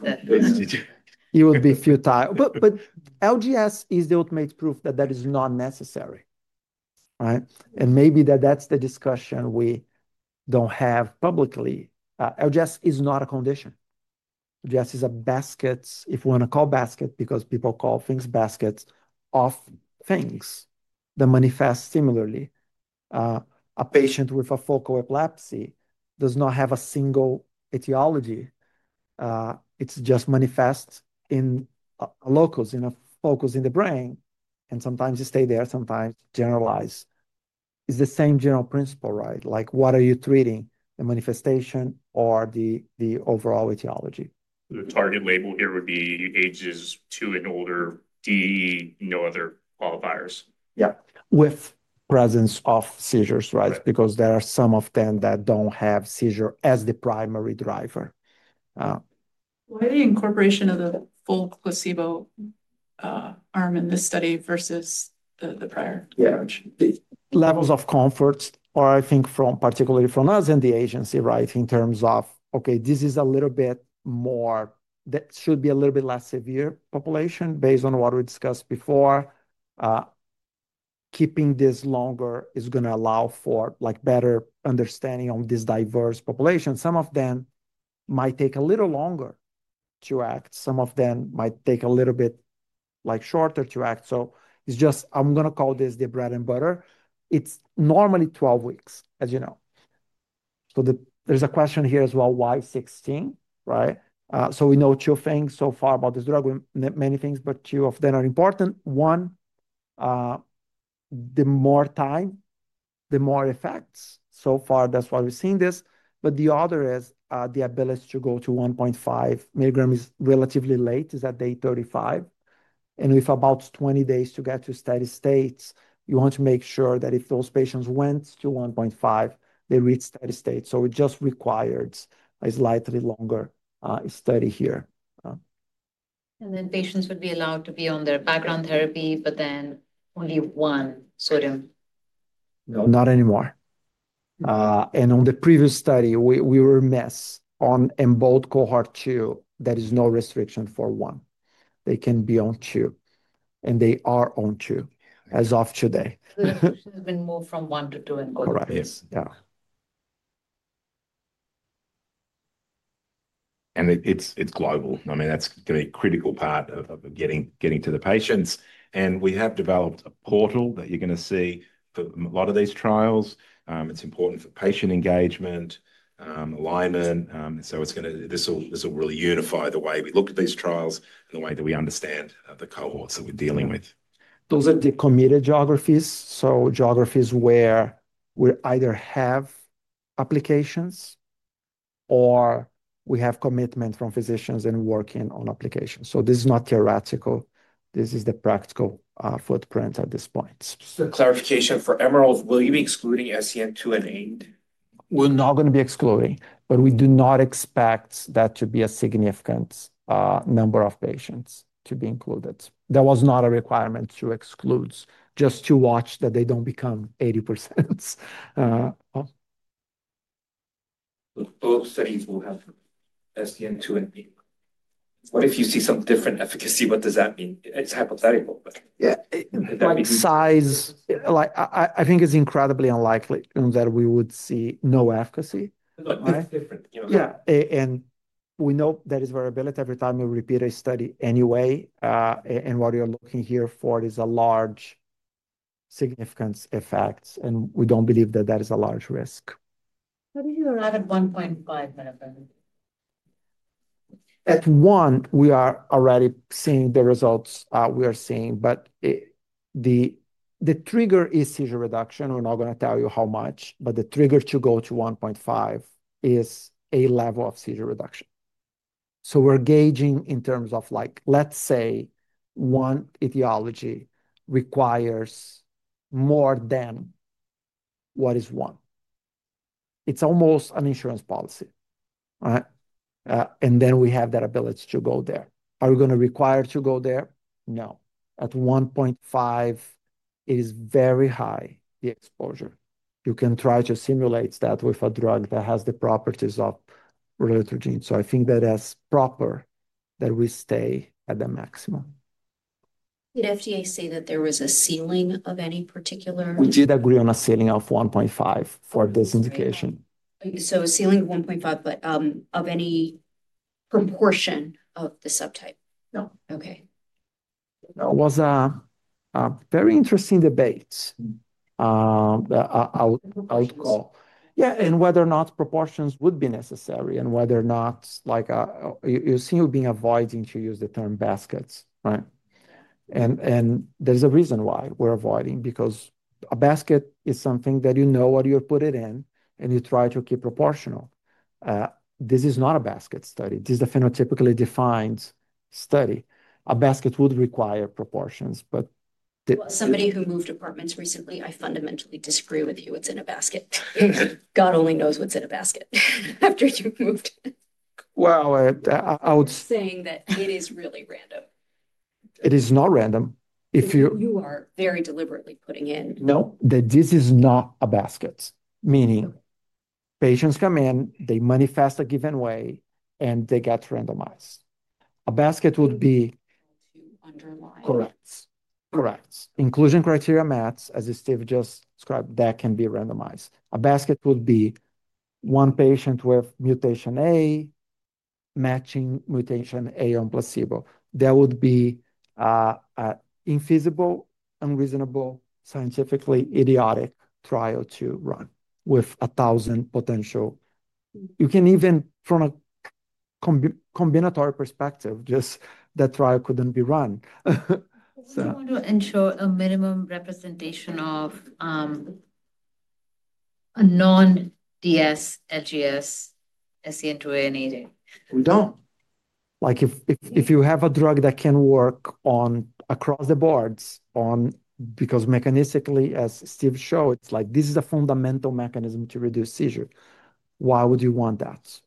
It would be futile. LGS is the ultimate proof that that is not necessary, right? Maybe that's the discussion we don't have publicly. LGS is not a condition. LGS is a basket, if we want to call basket because people call things baskets of things that manifest similarly. A patient with a focal epilepsy does not have a single etiology. It's just manifest in locus, in a focus in the brain. Sometimes you stay there, sometimes generalize. It's the same general principle, right? What are you treating, the manifestation or the overall etiology? The target label here would be ages two and older, DEE, no other qualifiers. Yeah, with presence of seizures, right? Because there are some of them that don't have seizure as the primary driver. Why the incorporation of the full placebo arm in this study versus the prior? Yeah. Levels of comfort are, I think, particularly from us and the agency, right, in terms of, "Okay, this is a little bit more that should be a little bit less severe population," based on what we discussed before. Keeping this longer is going to allow for better understanding of this diverse population. Some of them might take a little longer to act. Some of them might take a little bit shorter to act. I'm going to call this the bread and butter. It's normally 12 weeks, as you know. There's a question here as well, why 16, right? We know two things so far about this drug. Many things, but two of them are important. One, the more time, the more effects. That is why we are seeing this. The other is the ability to go to 1.5 mg is relatively late, at day 35. With about 20 days to get to steady state, you want to make sure that if those patients went to 1.5, they reach steady state. It just required a slightly longer study here. Patients would be allowed to be on their background therapy, but then only one sodium. No, not anymore. In the previous study, we were a mess. In both cohort two, there is no restriction for one. They can be on two. They are on two as of today. The patient has been moved from one to two in both cases. Correct. Yeah. It is global. I mean, that is going to be a critical part of getting to the patients. We have developed a portal that you are going to see for a lot of these trials. It is important for patient engagement, alignment. This will really unify the way we look at these trials and the way that we understand the cohorts that we are dealing with. Those are the committed geographies, so geographies where we either have applications or we have commitment from physicians and are working on applications. This is not theoretical. This is the practical footprint at this point. Just a clarification for EMERALD, will you be excluding SCN2A? We are not going to be excluding, but we do not expect that to be a significant number of patients to be included. That was not a requirement to exclude, just to watch that they do not become 80%. All studies will have SCN2A. What if you see some different efficacy? What does that mean? It's hypothetical, but yeah. Size, I think it's incredibly unlikely that we would see no efficacy. But it's different. Yeah. And we know there is variability every time you repeat a study anyway. What you're looking here for is a large significance effect. We don't believe that that is a large risk. How do you arrive at 1.5 mg? At one, we are already seeing the results we are seeing. The trigger is seizure reduction. We're not going to tell you how much, but the trigger to go to 1.5 mg is a level of seizure reduction. We're gauging in terms of, let's say, one etiology requires more than what is one. It's almost an insurance policy, right? We have that ability to go there. Are we going to require to go there? No. At 1.5 mg, it is very high, the exposure. You can try to simulate that with a drug that has the properties of relutrigine. I think that is proper that we stay at the maximum. Did FDA say that there was a ceiling of any particular? We did agree on a ceiling of 1.5 mg for this indication. A ceiling of 1.5 mg, but of any proportion of the subtype? No. Okay. It was a very interesting debate. I'll call. Yeah. Whether or not proportions would be necessary and whether or not you see you've been avoiding to use the term baskets, right? There is a reason why we're avoiding because a basket is something that you know what you're putting in, and you try to keep proportional. This is not a basket study. This is a phenotypically defined study. A basket would require proportions, but somebody who moved apartments recently, I fundamentally disagree with you. It is in a basket. God only knows what's in a basket after you've moved. I would say that it is really random. It is not random. You are very deliberately putting in. No, this is not a basket. Meaning patients come in, they manifest a given way, and they get randomized. A basket would be, to underline, correct. Correct. Inclusion criteria match as Steve just described, that can be randomized. A basket would be one patient with mutation A matching mutation A on placebo. That would be an infeasible, unreasonable, scientifically idiotic trial to run with 1,000 potential. You can even, from a combinatory perspective, just that trial couldn't be run. Do you want to ensure a minimum representation of a non-DS, LGS, SCN2A and DEE? We don't. If you have a drug that can work across the boards because mechanistically, as Steve showed, it's like this is a fundamental mechanism to reduce seizure. Why would you want that?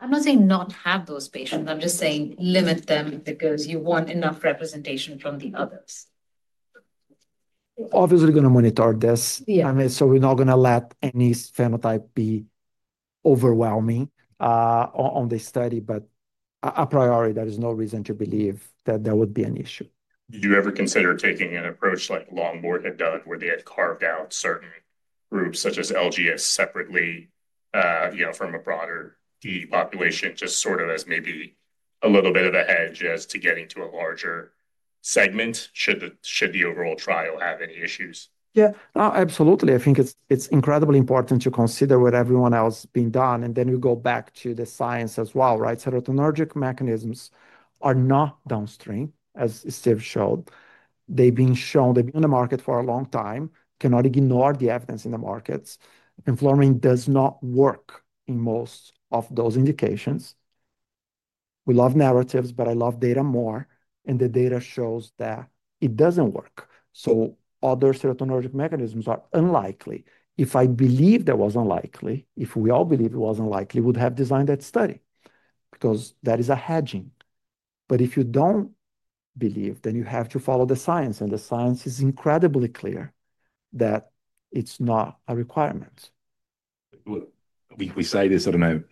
I'm not saying not have those patients. I'm just saying limit them because you want enough representation from the others. Obviously, we're going to monitor this. So we're not going to let any phenotype be overwhelming on the study, but a priori, there is no reason to believe that there would be an issue. Did you ever consider taking an approach like Longboard had done where they had carved out certain groups such as LGS separately from a broader DEE population, just sort of as maybe a little bit of a hedge as to getting to a larger segment? Should the overall trial have any issues? Yeah, absolutely. I think it's incredibly important to consider what everyone else has been done. Then we go back to the science as well, right? Serotonergic mechanisms are not downstream, as Steve showed. They've been shown. They've been on the market for a long time. Cannot ignore the evidence in the markets. Fenfluramine does not work in most of those indications. We love narratives, but I love data more. The data shows that it doesn't work. Other serotonergic mechanisms are unlikely. If I believe that was unlikely, if we all believe it was unlikely, we would have designed that study because that is a hedging. If you don't believe, then you have to follow the science. The science is incredibly clear that it's not a requirement. We say this, I don't know.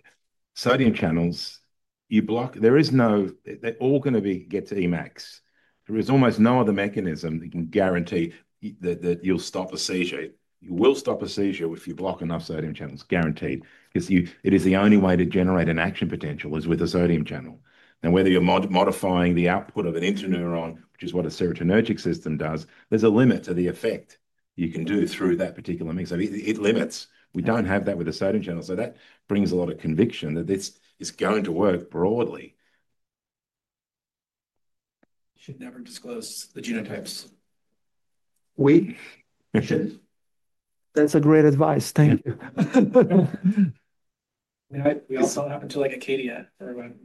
Sodium channels, there is no they're all going to get to EMAtS. There is almost no other mechanism that can guarantee that you'll stop a seizure. You will stop a seizure if you block enough sodium channels, guaranteed. Because it is the only way to generate an action potential is with a sodium channel. Whether you're modifying the output of an interneuron, which is what a serotonergic system does, there's a limit to the effect you can do through that particular mix. It limits. We don't have that with the sodium channel. That brings a lot of conviction that this is going to work broadly. Should never disclose the genotypes. We shouldn't. T hat's great advice. Thank you. We all still happen to like Acadia for everyone.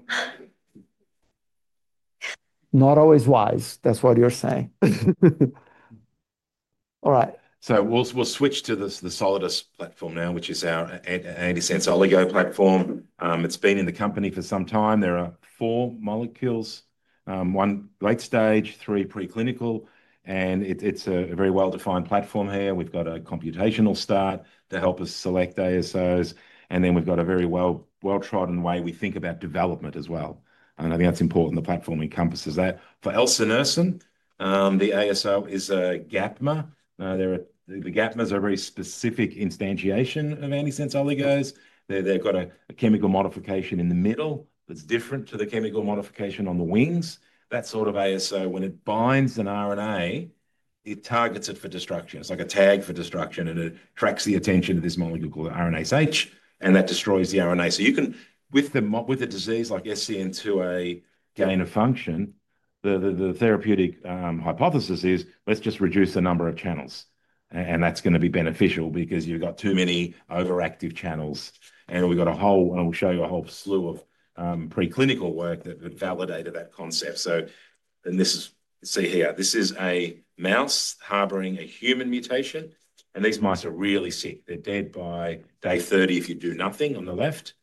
Not always wise. That's what you're saying. All right. We'll switch to the Solidus platform now, which is our antisense oligo platform. It's been in the company for some time. There are four molecules, one late stage, three preclinical. It's a very well-defined platform here. We've got a computational start to help us select ASOs. We've got a very well-trodden way we think about development as well. I think that's important. The platform encompasses that. For Elsunersen, the ASO is a Gapmer. The Gapmers are a very specific instantiation of antisense oligos. They've got a chemical modification in the middle that's different to the chemical modification on the wings. That sort of ASO, when it binds an RNA, it targets it for destruction. It's like a tag for destruction. It attracts the attention of this molecule called RNase H. That destroys the RNA. You can, with a disease like SCN2A gain-of-function, the therapeutic hypothesis is, let's just reduce the number of channels. That is going to be beneficial because you've got too many overactive channels. We've got a whole, and we'll show you a whole slew of preclinical work that validated that concept. See here, this is a mouse harboring a human mutation. These mice are really sick. They're dead by day 30 if you do nothing on the left.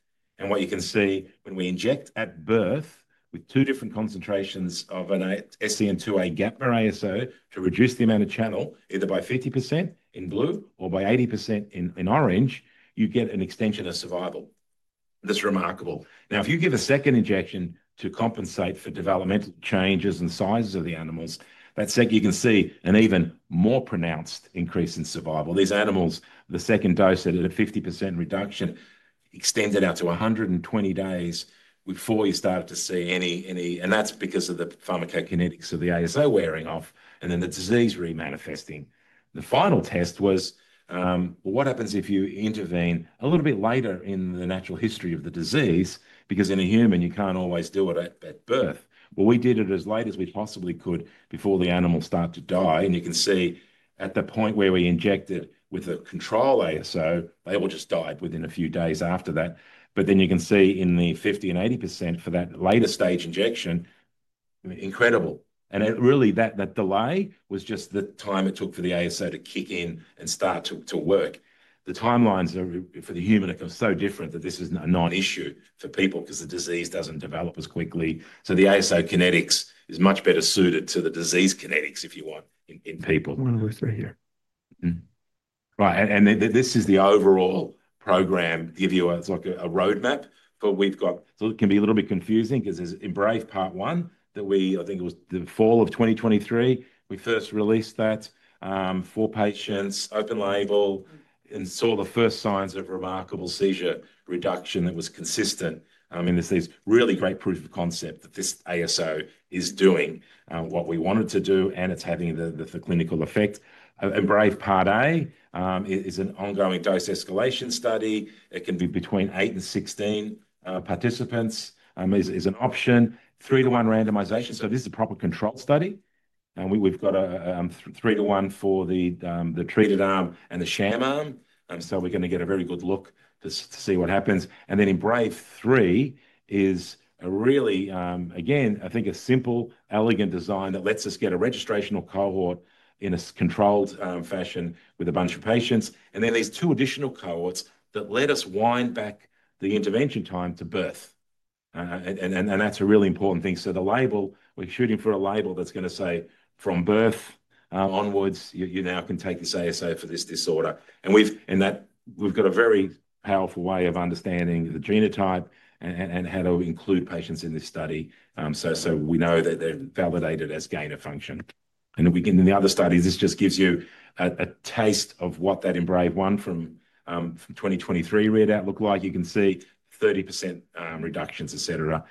What you can see when we inject at birth with two different concentrations of an SCN2A Gapmer ASO to reduce the amount of channel, either by 50% in blue or by 80% in orange, you get an extension of survival. That is remarkable. Now, if you give a second injection to compensate for developmental changes and sizes of the animals, that second, you can see an even more pronounced increase in survival. These animals, the second dose at a 50% reduction extended out to 120 days before you started to see any, and that's because of the pharmacokinetics of the ASO wearing off and then the disease remanifesting. The final test was, what happens if you intervene a little bit later in the natural history of the disease? Because in a human, you can't always do it at birth. We did it as late as we possibly could before the animal started to die. You can see at the point where we injected with a control ASO, they all just died within a few days after that. You can see in the 50% and 80% for that later stage injection, incredible. Really, that delay was just the time it took for the ASO to kick in and start to work. The timelines for the human are so different that this is a non-issue for people because the disease doesn't develop as quickly. The ASO kinetics is much better suited to the disease kinetics, if you want, in people. I'm going to move through here. Right. This is the overall program. It's like a roadmap, but we've got so it can be a little bit confusing because EMBRAVE, part one, that we, I think it was the fall of 2023, we first released that for patients, open label, and saw the first signs of remarkable seizure reduction that was consistent. I mean, this is really great proof of concept that this ASO is doing what we wanted to do, and it's having the clinical effect. EMBRAVE, part A is an ongoing dose escalation study. It can be between 8-16 participants is an option. Three-to-one randomization. This is a proper control study. We've got a three-to-one for the treated arm and the sham arm. We're going to get a very good look to see what happens. In EMBRAVE 3 is a really, again, I think a simple, elegant design that lets us get a registrational cohort in a controlled fashion with a bunch of patients. There are two additional cohorts that let us wind back the intervention time to birth. That's a really important thing. The label, we're shooting for a label that's going to say from birth onwards, you now can take this ASO for this disorder. We've got a very powerful way of understanding the genotype and how to include patients in this study. We know that they're validated as gain of function. In the other studies, this just gives you a taste of what that EMBRAVE 1 from 2023 readout looked like. You can see 30% reductions, etc.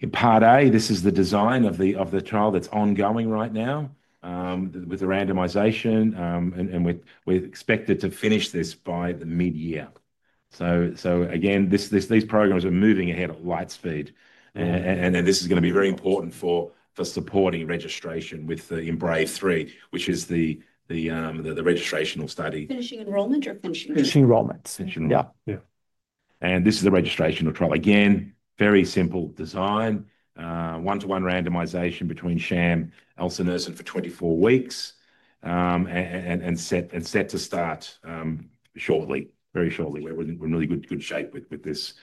In part A, this is the design of the trial that's ongoing right now with the randomization. We expect it to finish this by mid-year. These programs are moving ahead at light speed. This is going to be very important for supporting registration with the EMBRAVE 3, which is the registrational study. Finishing enrollment or finishing? Finishing enrollment. Yeah. This is a registrational trial. Very simple design, one-to-one randomization between sham, Elsunersen for 24 weeks, and set to start shortly, very shortly. We're in really good shape with this.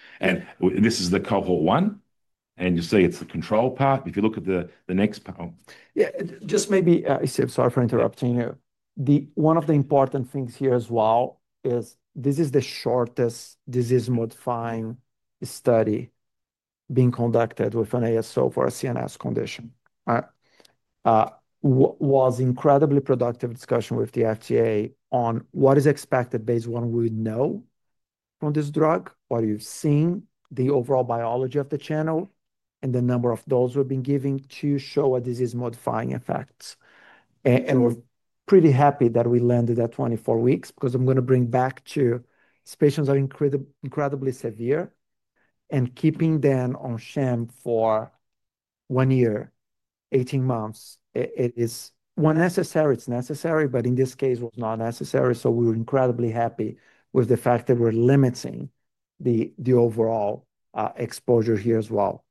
This is the cohort one. You see it's the control part. If you look at the next part. Yeah. Just maybe, Steve, sorry for interrupting you. One of the important things here as well is this is the shortest disease-modifying study being conducted with an ASO for a CNS condition. It was an incredibly productive discussion with the FDA on what is expected based on what we know from this drug, what you've seen, the overall biology of the channel, and the number of doses we've been giving to show a disease-modifying effect. We are pretty happy that we landed at 24 weeks because I'm going to bring back to patients are incredibly severe. Keeping them on sham for one year, 18 months, it is when necessary, it's necessary, but in this case, it was not necessary. We were incredibly happy with the fact that we're limiting the overall exposure here as well.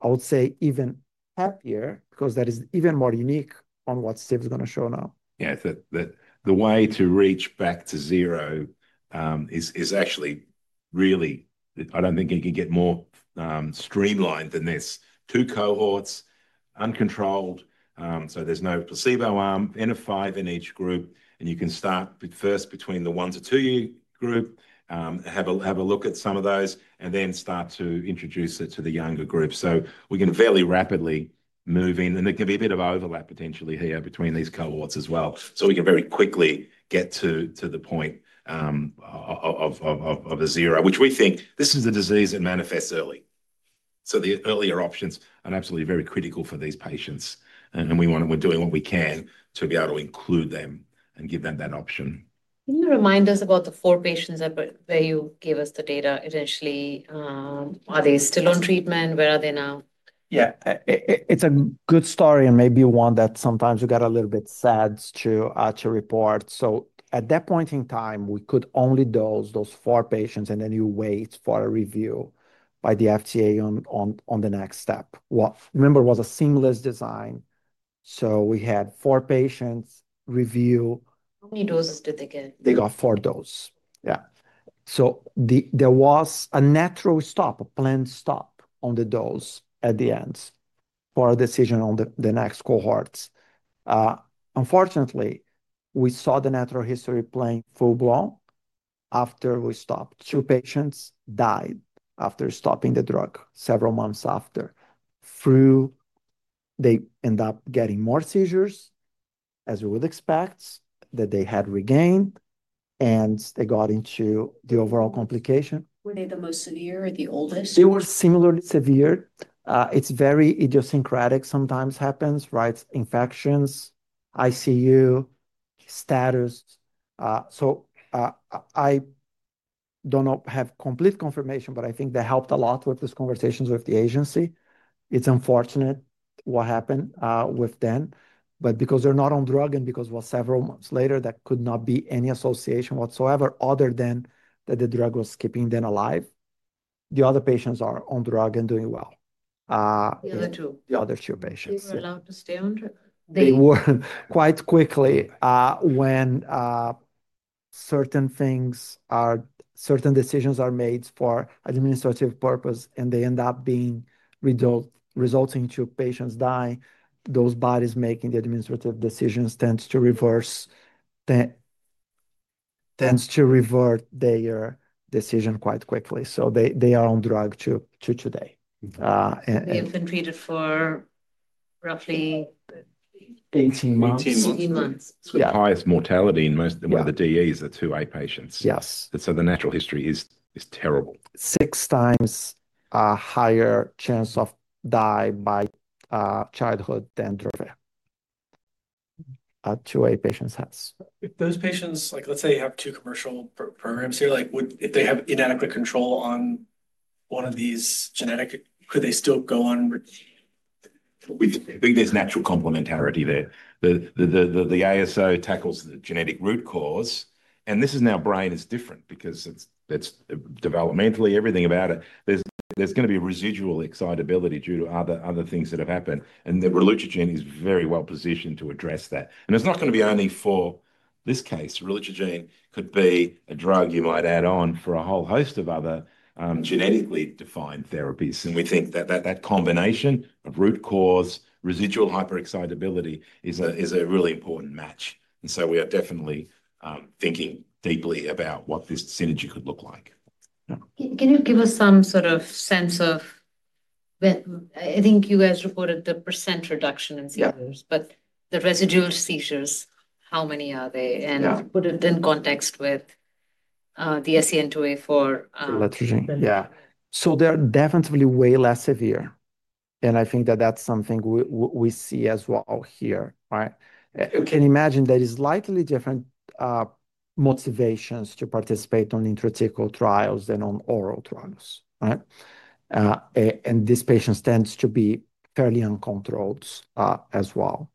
I would say even happier because that is even more unique on what Steve is going to show now. Yeah, the way to reach back to zero is actually really, I don't think you can get more streamlined than this. Two cohorts, uncontrolled. There is no placebo arm, NF5 in each group. You can start first between the one to two-year group, have a look at some of those, and then start to introduce it to the younger group. We can fairly rapidly move in. There can be a bit of overlap potentially here between these cohorts as well. We can very quickly get to the point of a zero, which we think this is the disease that manifests early. The earlier options are absolutely very critical for these patients. We're doing what we can to be able to include them and give them that option. Can you remind us about the four patients where you gave us the data? Eventually, are they still on treatment? Where are they now? Yeah, it's a good story. Maybe you want that sometimes you got a little bit sad to report. At that point in time, we could only dose those four patients. You wait for a review by the FDA on the next step. Remember, it was a seamless design. We had four patients review. How many doses did they get? They got four doses. There was a natural stop, a planned stop on the dose at the end for a decision on the next cohorts. Unfortunately, we saw the natural history playing full-blown after we stopped. Two patients died after stopping the drug several months after. They end up getting more seizures, as we would expect, that they had regained. They got into the overall complication. Were they the most severe or the oldest? They were similarly severe. It's very idiosyncratic. Sometimes happens, right? Infections, ICU, status. I don't have complete confirmation, but I think they helped a lot with these conversations with the agency. It's unfortunate what happened with them. Because they're not on drug and because it was several months later, there could not be any association whatsoever other than that the drug was keeping them alive. The other patients are on drug and doing well. The other two. The other two patients. They were allowed to stay on drug? They were quite quickly when certain things are certain decisions are made for administrative purpose, and they end up being resulting to patients dying. Those bodies making the administrative decisions tends to reverse, tends to revert their decision quite quickly. They are on drug today. They've been treated for roughly 18 months. 18 months. 18 months. With the highest mortality in most of the DEEs are two A patients. Yes. The natural history is terrible. Six times higher chance of dying by childhood than drug at two A patients has. If those patients, let's say, have two commercial programs here, if they have inadequate control on one of these genetic, could they still go on? I think there's natural complementarity there. The ASO tackles the genetic root cause. This is now brain is different because it's developmentally everything about it. There's going to be residual excitability due to other things that have happened. Relutrigine is very well positioned to address that. It's not going to be only for this case. Relutrigine could be a drug you might add on for a whole host of other genetically defined therapies. We think that combination of root cause, residual hyperexcitability is a really important match. We are definitely thinking deeply about what this synergy could look like. Can you give us some sort of sense of, I think you guys reported the percent reduction in seizures, but the residual seizures, how many are they? Put it in context with the SCN2A for Relutrigine. Yeah. They're definitely way less severe. I think that's something we see as well here. Right? Can you imagine that it's likely different motivations to participate on intrathecal trials than on oral trials? Right? And these patients tend to be fairly uncontrolled as well,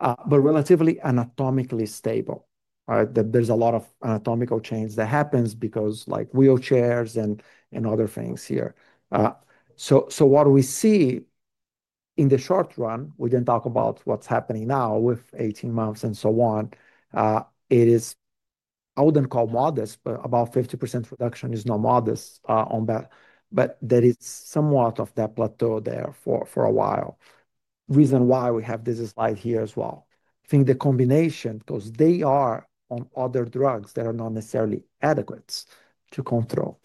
but relatively anatomically stable. Right? There's a lot of anatomical change that happens because like wheelchairs and other things here. What we see in the short run, we didn't talk about what's happening now with 18 months and so on. It is, I wouldn't call modest, but about 50% reduction is not modest on that. There is somewhat of that plateau there for a while. Reason why we have this slide here as well. I think the combination because they are on other drugs that are not necessarily adequate to control.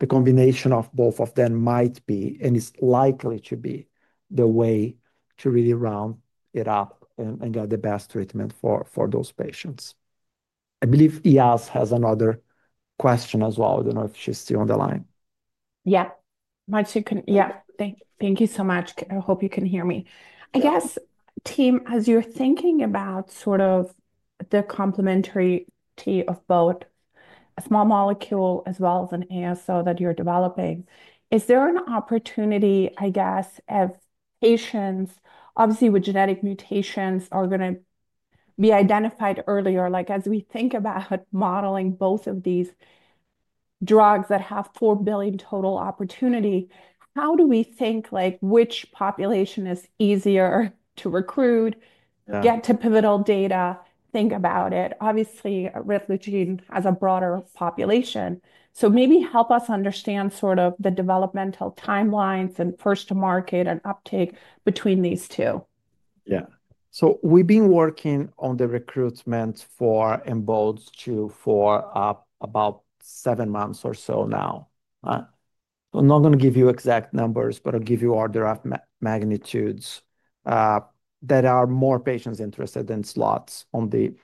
The combination of both of them might be, and it's likely to be the way to really round it up and get the best treatment for those patients. I believe Yas has another question as well. I don't know if she's still on the line. Yeah. Yeah. Thank you so much. I hope you can hear me. I guess, team, as you're thinking about sort of the complementarity of both a small molecule as well as an ASO that you're developing, is there an opportunity, I guess, if patients obviously with genetic mutations are going to be identified earlier, like as we think about modeling both of these drugs that have $4 billion total opportunity, how do we think which population is easier to recruit, get to pivotal data, think about it? Obviously, relutrigine has a broader population. Maybe help us understand sort of the developmental timelines and first-to-market and uptake between these two. We've been working on the recruitment for EMERALD 2 for about seven months or so now. I'm not going to give you exact numbers, but I'll give you order of magnitudes that are more patients interested than slots on the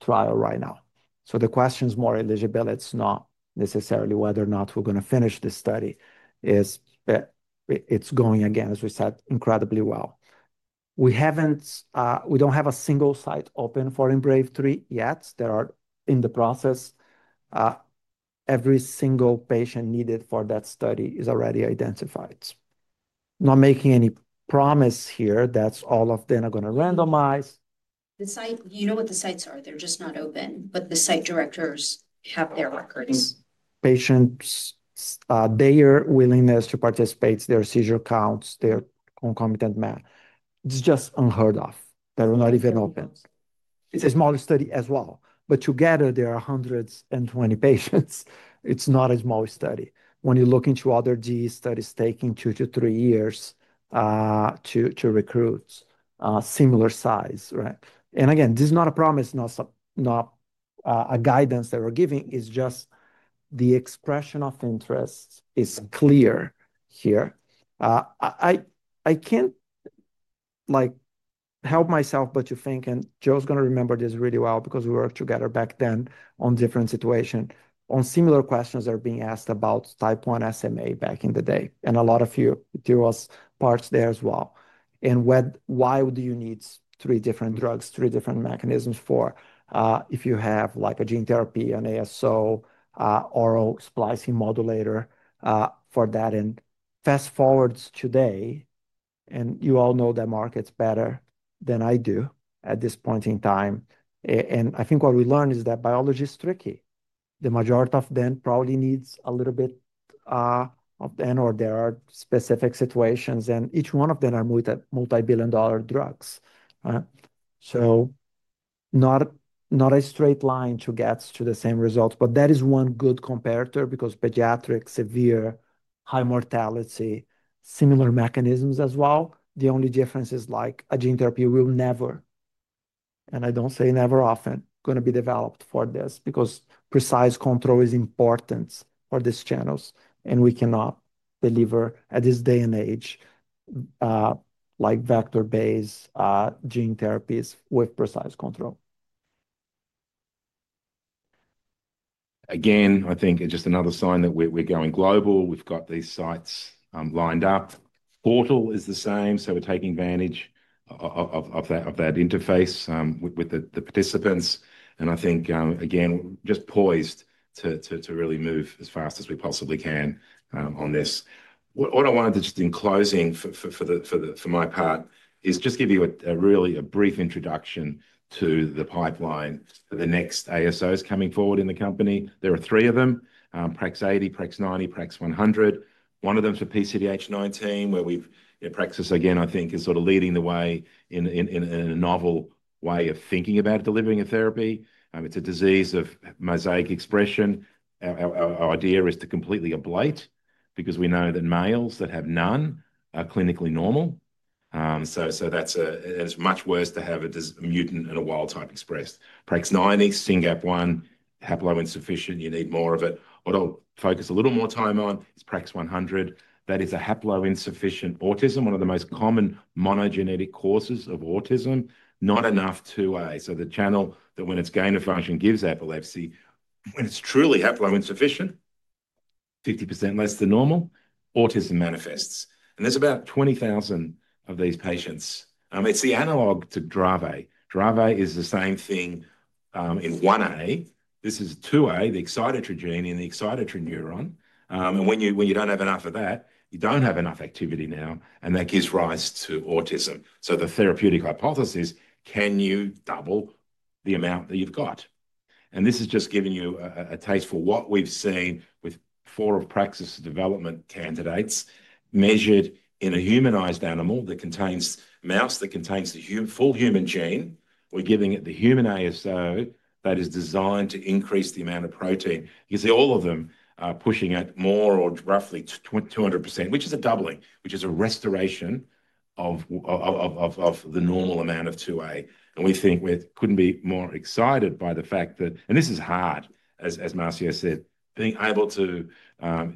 trial right now. The question is more eligibility. It's not necessarily whether or not we're going to finish this study. It's going, again, as we said, incredibly well. We don't have a single site open for EMBRAVE 3 yet. They are in the process. Every single patient needed for that study is already identified. Not making any promise here. That's all of them are going to randomize. You know what the sites are? They're just not open. The site directors have their records. Patients, their willingness to participate, their seizure counts, their concomitant med. It's just unheard of. They're not even open. It's a small study as well. Together, there are 120 patients. It's not a small study. When you look into other GE studies, it's taking two to three years to recruit similar size. Right? Again, this is not a promise, not a guidance that we're giving. It's just the expression of interest is clear here. I can't help myself but to think, and Joe's going to remember this really well because we worked together back then on different situations, on similar questions that are being asked about type 1 SMA back in the day. A lot of you drew us parts there as well. Why do you need three different drugs, three different mechanisms for if you have a gene therapy, an ASO, oral splicing modulator for that? Fast forward today, and you all know that market's better than I do at this point in time. I think what we learned is that biology is tricky. The majority of them probably needs a little bit of them, or there are specific situations. Each one of them are multi-billion-dollar drugs. Not a straight line to get to the same results. That is one good comparator because pediatric, severe, high mortality, similar mechanisms as well. The only difference is like a gene therapy will never, and I do not say never often, going to be developed for this because precise control is important for these channels. We cannot deliver at this day and age like vector-based gene therapies with precise control. I think it is just another sign that we are going global. We have got these sites lined up. Portal is the same. We are taking advantage of that interface with the participants. I think, again, we are just poised to really move as fast as we possibly can on this. What I wanted to just in closing for my part is just give you a really brief introduction to the pipeline for the next ASOs coming forward in the company. There are three of them: PRAX-80, PRAX-90, PRAX-100. One of them is for PCDH19, where we've practiced, again, I think, is sort of leading the way in a novel way of thinking about delivering a therapy. It's a disease of mosaic expression. Our idea is to completely ablate because we know that males that have none are clinically normal. So that's much worse to have a mutant and a wild type expressed. PRAX-90, SCN1A, haplo-insufficient. You need more of it. What I'll focus a little more time on is PRAX-100. That is a haplo-insufficient autism, one of the most common monogenetic causes of autism. Not enough 2A. The channel that when its gain of function gives epilepsy, when it's truly haplo-insufficient, 50% less than normal, autism manifests. There are about 20,000 of these patients. It's the analog to Dravet. Dravet is the same thing in 1A. This is 2A, the excitotrogene in the excitotrinuron. When you do not have enough of that, you do not have enough activity now, and that gives rise to autism. The therapeutic hypothesis is, can you double the amount that you have got? This is just giving you a taste for what we have seen with four of Praxis development candidates measured in a humanized animal that contains mouse that contains the full human gene. We are giving it the human ASO that is designed to increase the amount of protein. You can see all of them are pushing at more or roughly 200%, which is a doubling, which is a restoration of the normal amount of 2A. We think we could not be more excited by the fact that, and this is hard, as Marcio said, being able to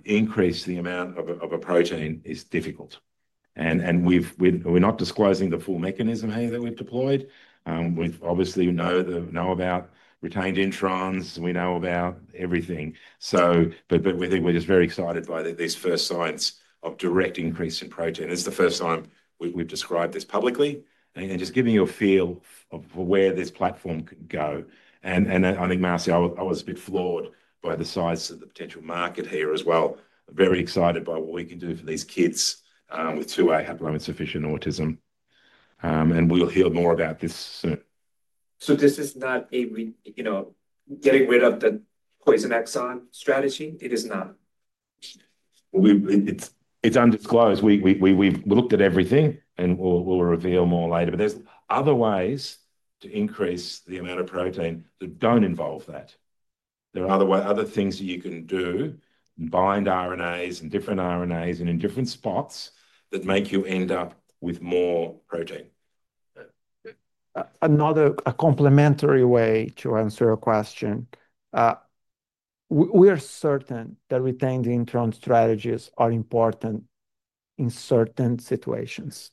increase the amount of a protein is difficult. We are not disclosing the full mechanism here that we have deployed. We obviously know about retained introns. We know about everything. We think we are just very excited by these first signs of direct increase in protein. It is the first time we have described this publicly. Just giving you a feel of where this platform could go. I think, Marcio, I was a bit floored by the size of the potential market here as well. Very excited by what we can do for these kids with 2A haplo-insufficient autism. We'll hear more about this soon. This is not getting rid of the poison exon strategy. It is not. It's undisclosed. We looked at everything, and we'll reveal more later. There are other ways to increase the amount of protein that do not involve that. There are other things that you can do, bind RNAs and different RNAs and in different spots that make you end up with more protein. Another complementary way to answer a question, we are certain that retained intron strategies are important in certain situations.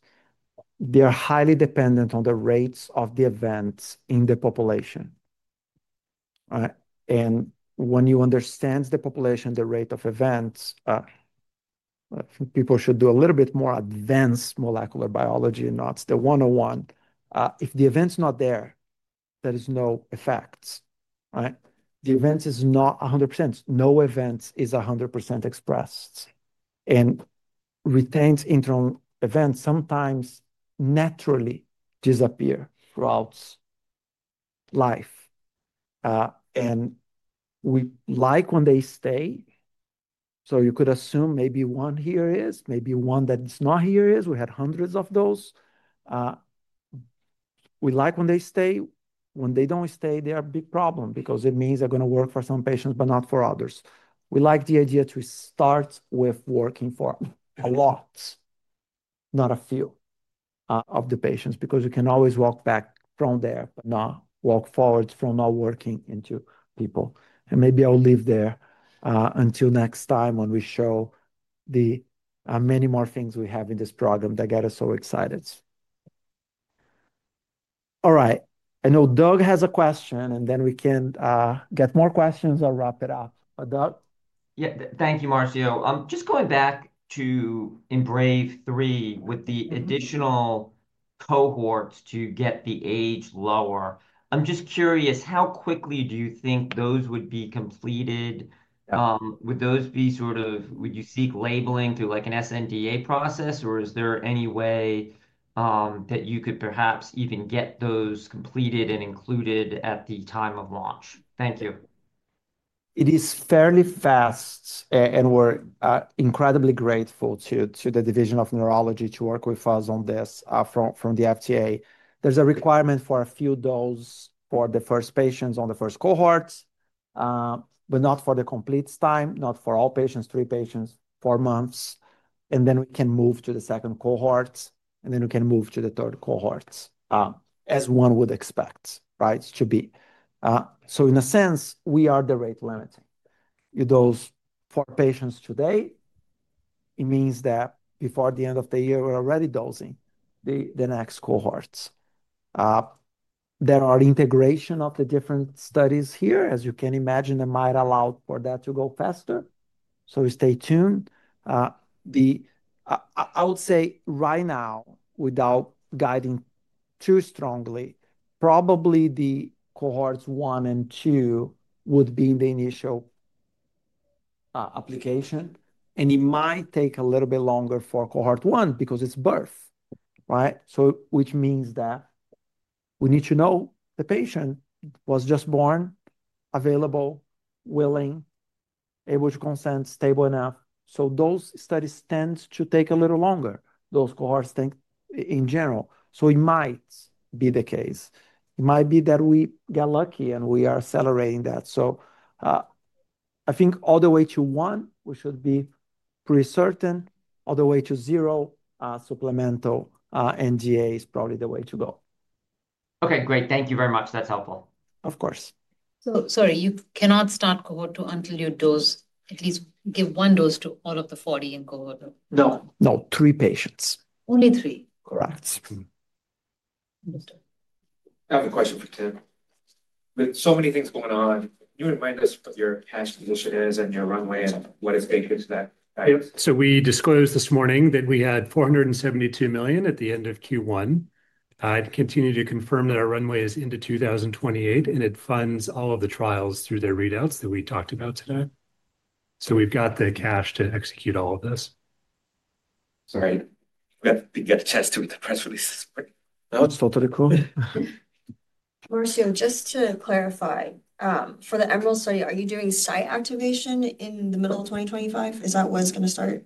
They are highly dependent on the rates of the events in the population. When you understand the population, the rate of events, people should do a little bit more advanced molecular biology, not the 101. If the event is not there, there is no effect. The event is not 100%. No event is 100% expressed. Retained intron events sometimes naturally disappear throughout life. We like when they stay. You could assume maybe one here is, maybe one that's not here is. We had hundreds of those. We like when they stay. When they do not stay, they are a big problem because it means they are going to work for some patients, but not for others. We like the idea to start with working for a lot, not a few of the patients, because you can always walk back from there, but not walk forward from not working into people. Maybe I will leave there until next time when we show the many more things we have in this program that get us so excited. All right. I know Doug has a question, and then we can get more questions or wrap it up. Doug? Yeah. Thank you, Marcio. Just going back to EMBRAVE 3 with the additional cohorts to get the age lower, I'm just curious, how quickly do you think those would be completed? Would those be sort of, would you seek labeling through an sNDA process, or is there any way that you could perhaps even get those completed and included at the time of launch? Thank you. It is fairly fast, and we're incredibly grateful to the Division of Neurology to work with us on this from the FDA. There's a requirement for a few doses for the first patients on the first cohort, but not for the complete time, not for all patients, three patients, four months. And then we can move to the second cohort, and then we can move to the third cohort, as one would expect, right, to be. In a sense, we are the rate limiting. Those four patients today, it means that before the end of the year, we're already dosing the next cohorts. There are integrations of the different studies here. As you can imagine, they might allow for that to go faster. Stay tuned. I would say right now, without guiding too strongly, probably the cohorts one and two would be the initial application. It might take a little bit longer for cohort one because it's birth, right? Which means that we need to know the patient was just born, available, willing, able to consent, stable enough. Those studies tend to take a little longer, those cohorts think, in general. It might be the case. It might be that we get lucky and we are accelerating that. I think all the way to one, we should be pretty certain. All the way to zero, supplemental NDA is probably the way to go. Okay. Great. Thank you very much. That's helpful. Of course. Sorry, you cannot start cohort two until you dose, at least give one dose to all of the 40 in cohort two. No, no, three patients. Only three. Correct. I have a question for Tim. With so many things going on, can you remind us what your cash position is and your runway and what is baked into that? We disclosed this morning that we had $472 million at the end of Q1. I'd continue to confirm that our runway is into 2028, and it funds all of the trials through their readouts that we talked about today. We've got the cash to execute all of this. Sorry. We got to test with the press releases. No, it's totally cool. Marcio, just to clarify, for the EMERALD study, are you doing site activation in the middle of 2025? Is that when it's going to start?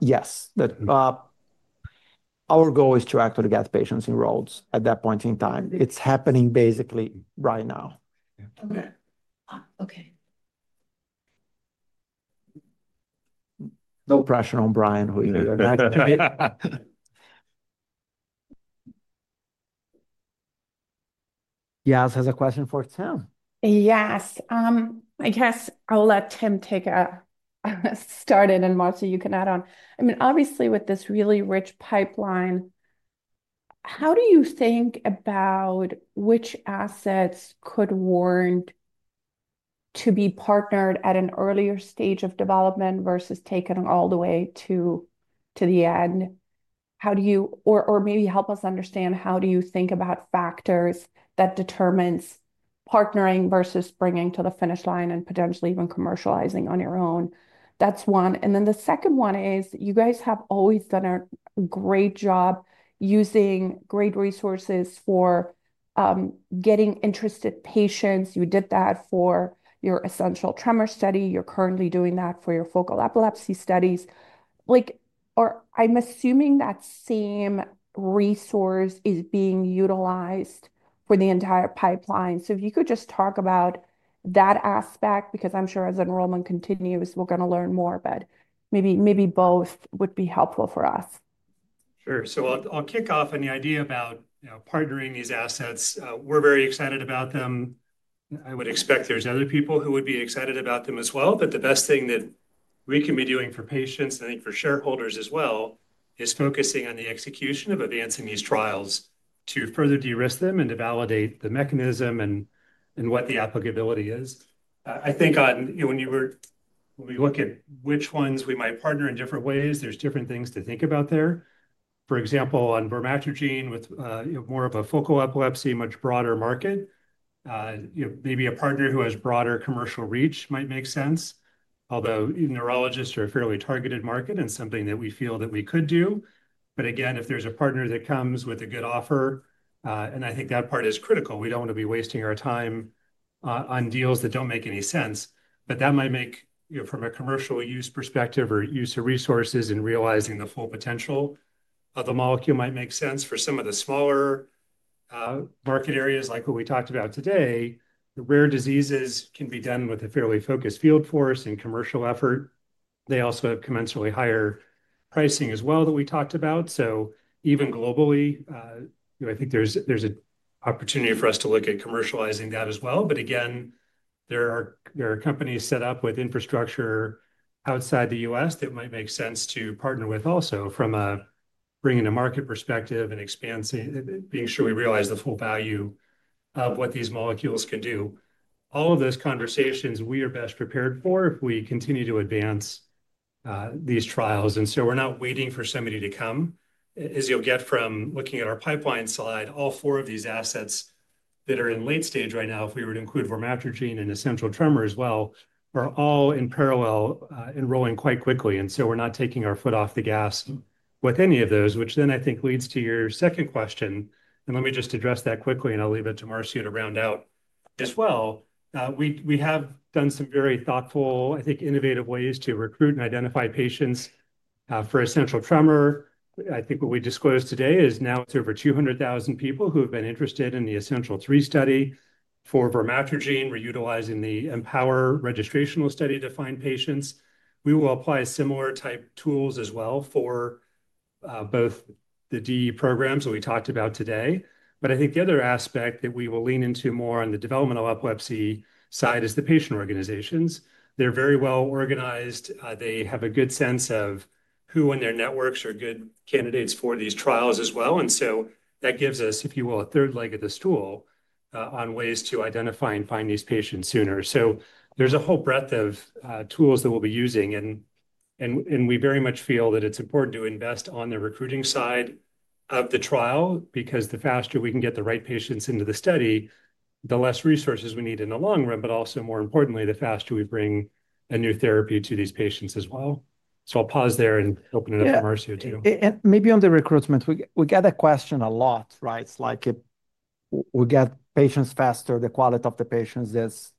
Yes. Our goal is to actually get patients enrolled at that point in time. It's happening basically right now. Okay. No pressure on Brian who you're going to activate. Yas has a question for Tim. Yes. I guess I'll let Tim take a start in, and Marcio you can add on. I mean, obviously, with this really rich pipeline, how do you think about which assets could warrant to be partnered at an earlier stage of development versus taken all the way to the end? Or maybe help us understand how do you think about factors that determine partnering versus bringing to the finish line and potentially even commercializing on your own? That's one. The second one is you guys have always done a great job using great resources for getting interested patients. You did that for your essential tremor study. You're currently doing that for your focal epilepsy studies. I'm assuming that same resource is being utilized for the entire pipeline. If you could just talk about that aspect, because I'm sure as enrollment continues, we're going to learn more, but maybe both would be helpful for us. Sure. I'll kick off on the idea about partnering these assets. We're very excited about them. I would expect there's other people who would be excited about them as well. The best thing that we can be doing for patients, and I think for shareholders as well, is focusing on the execution of advancing these trials to further de-risk them and to validate the mechanism and what the applicability is. I think when we look at which ones we might partner in different ways, there's different things to think about there. For example, on Vormatrigine with more of a focal epilepsy, much broader market, maybe a partner who has broader commercial reach might make sense. Although neurologists are a fairly targeted market and something that we feel that we could do. Again, if there's a partner that comes with a good offer, and I think that part is critical. We don't want to be wasting our time on deals that don't make any sense. That might make from a commercial use perspective or use of resources and realizing the full potential of the molecule make sense for some of the smaller market areas like what we talked about today. The rare diseases can be done with a fairly focused field force and commercial effort. They also have commensurably higher pricing as well that we talked about. Even globally, I think there is an opportunity for us to look at commercializing that as well. There are companies set up with infrastructure outside the U.S. that might make sense to partner with also from a bringing-to-market perspective and being sure we realize the full value of what these molecules can do. All of those conversations we are best prepared for if we continue to advance these trials. We are not waiting for somebody to come. As you'll get from looking at our pipeline slide, all four of these assets that are in late stage right now, if we were to include Vormatrigine and essential tremor as well, are all in parallel enrolling quite quickly. We are not taking our foot off the gas with any of those, which I think leads to your second question. Let me just address that quickly, and I'll leave it to Marcio to round out as well. We have done some very thoughtful, I think, innovative ways to recruit and identify patients for essential tremor. I think what we disclosed today is now it's over 200,000 people who have been interested in the essential three study for Vormatrigine, reutilizing the EMPOWER registrational study to find patients. We will apply similar type tools as well for both the DEE programs that we talked about today. I think the other aspect that we will lean into more on the developmental epilepsy side is the patient organizations. They're very well organized. They have a good sense of who in their networks are good candidates for these trials as well. That gives us, if you will, a third leg of the stool on ways to identify and find these patients sooner. There's a whole breadth of tools that we'll be using. We very much feel that it's important to invest on the recruiting side of the trial because the faster we can get the right patients into the study, the less resources we need in the long run, but also more importantly, the faster we bring a new therapy to these patients as well. I'll pause there and open it up to Marcio too. Maybe on the recruitment, we get a question a lot, right? It's like we get patients faster. The quality of the patients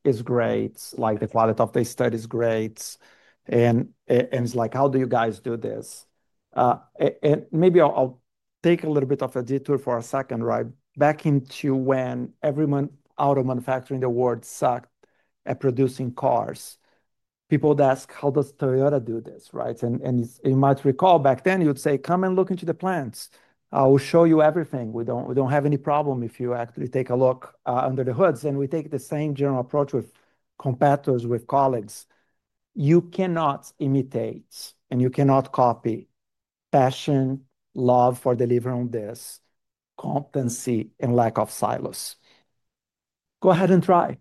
is great. The quality of the study is great. It's like, how do you guys do this? Maybe I'll take a little bit of a detour for a second, right? Back into when everyone out of manufacturing the world sucked at producing cars, people would ask, how does Toyota do this, right? You might recall back then, you'd say, come and look into the plants. I will show you everything. We don't have any problem if you actually take a look under the hood. We take the same general approach with competitors, with colleagues. You cannot imitate, and you cannot copy passion, love for delivering on this, competency, and lack of silos. Go ahead and try.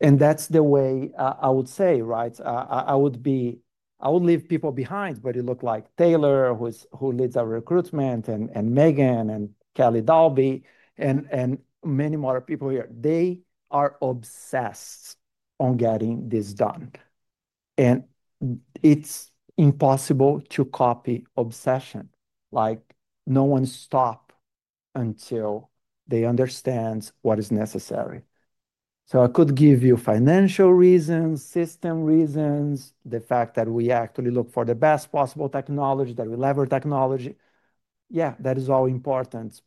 That is the way I would say, right? I would leave people behind, but it looked like Taylor, who leads our recruitment, and Megan, and Kelley Dalby, and many more people here. They are obsessed on getting this done. It is impossible to copy obsession. No one stops until they understand what is necessary. I could give you financial reasons, system reasons, the fact that we actually look for the best possible technology, that we lever technology. Yeah, that is all important.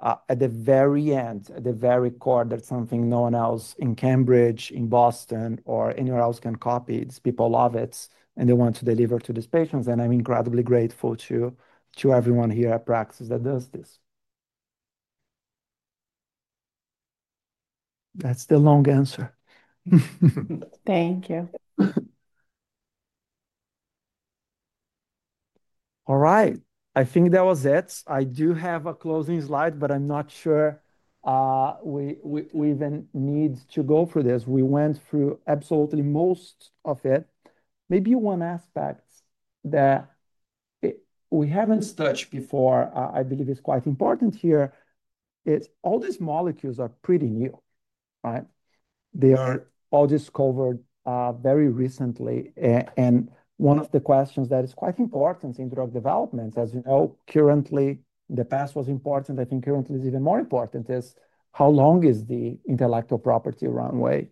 At the very end, at the very core, there is something no one else in Cambridge, in Boston, or anywhere else can copy. These people love it, and they want to deliver to these patients. I am incredibly grateful to everyone here at Praxis that does this. That is the long answer. Thank you. All right. I think that was it. I do have a closing slide, but I'm not sure we even need to go through this. We went through absolutely most of it. Maybe one aspect that we haven't touched before, I believe is quite important here, is all these molecules are pretty new, right? They are all discovered very recently. One of the questions that is quite important in drug development, as you know, currently, the past was important. I think currently is even more important is how long is the intellectual property runway?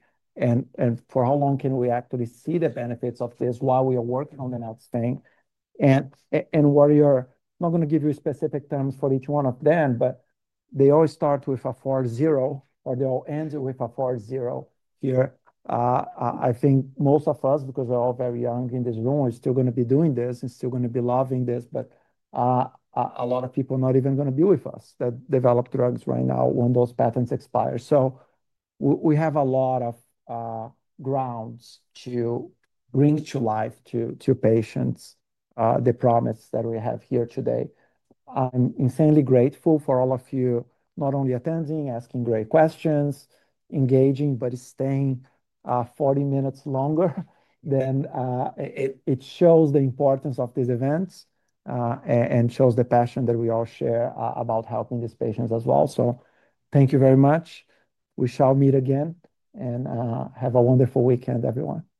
For how long can we actually see the benefits of this while we are working on the next thing? We're not going to give you specific terms for each one of them, but they all start with a four zero, or they all end with a four zero here. I think most of us, because we're all very young in this room, are still going to be doing this and still going to be loving this. A lot of people are not even going to be with us that develop drugs right now when those patents expire. We have a lot of grounds to bring to life to patients the promise that we have here today. I'm insanely grateful for all of you not only attending, asking great questions, engaging, but staying 40 minutes longer. It shows the importance of these events and shows the passion that we all share about helping these patients as well. Thank you very much. We shall meet again and have a wonderful weekend, everyone. Thank you.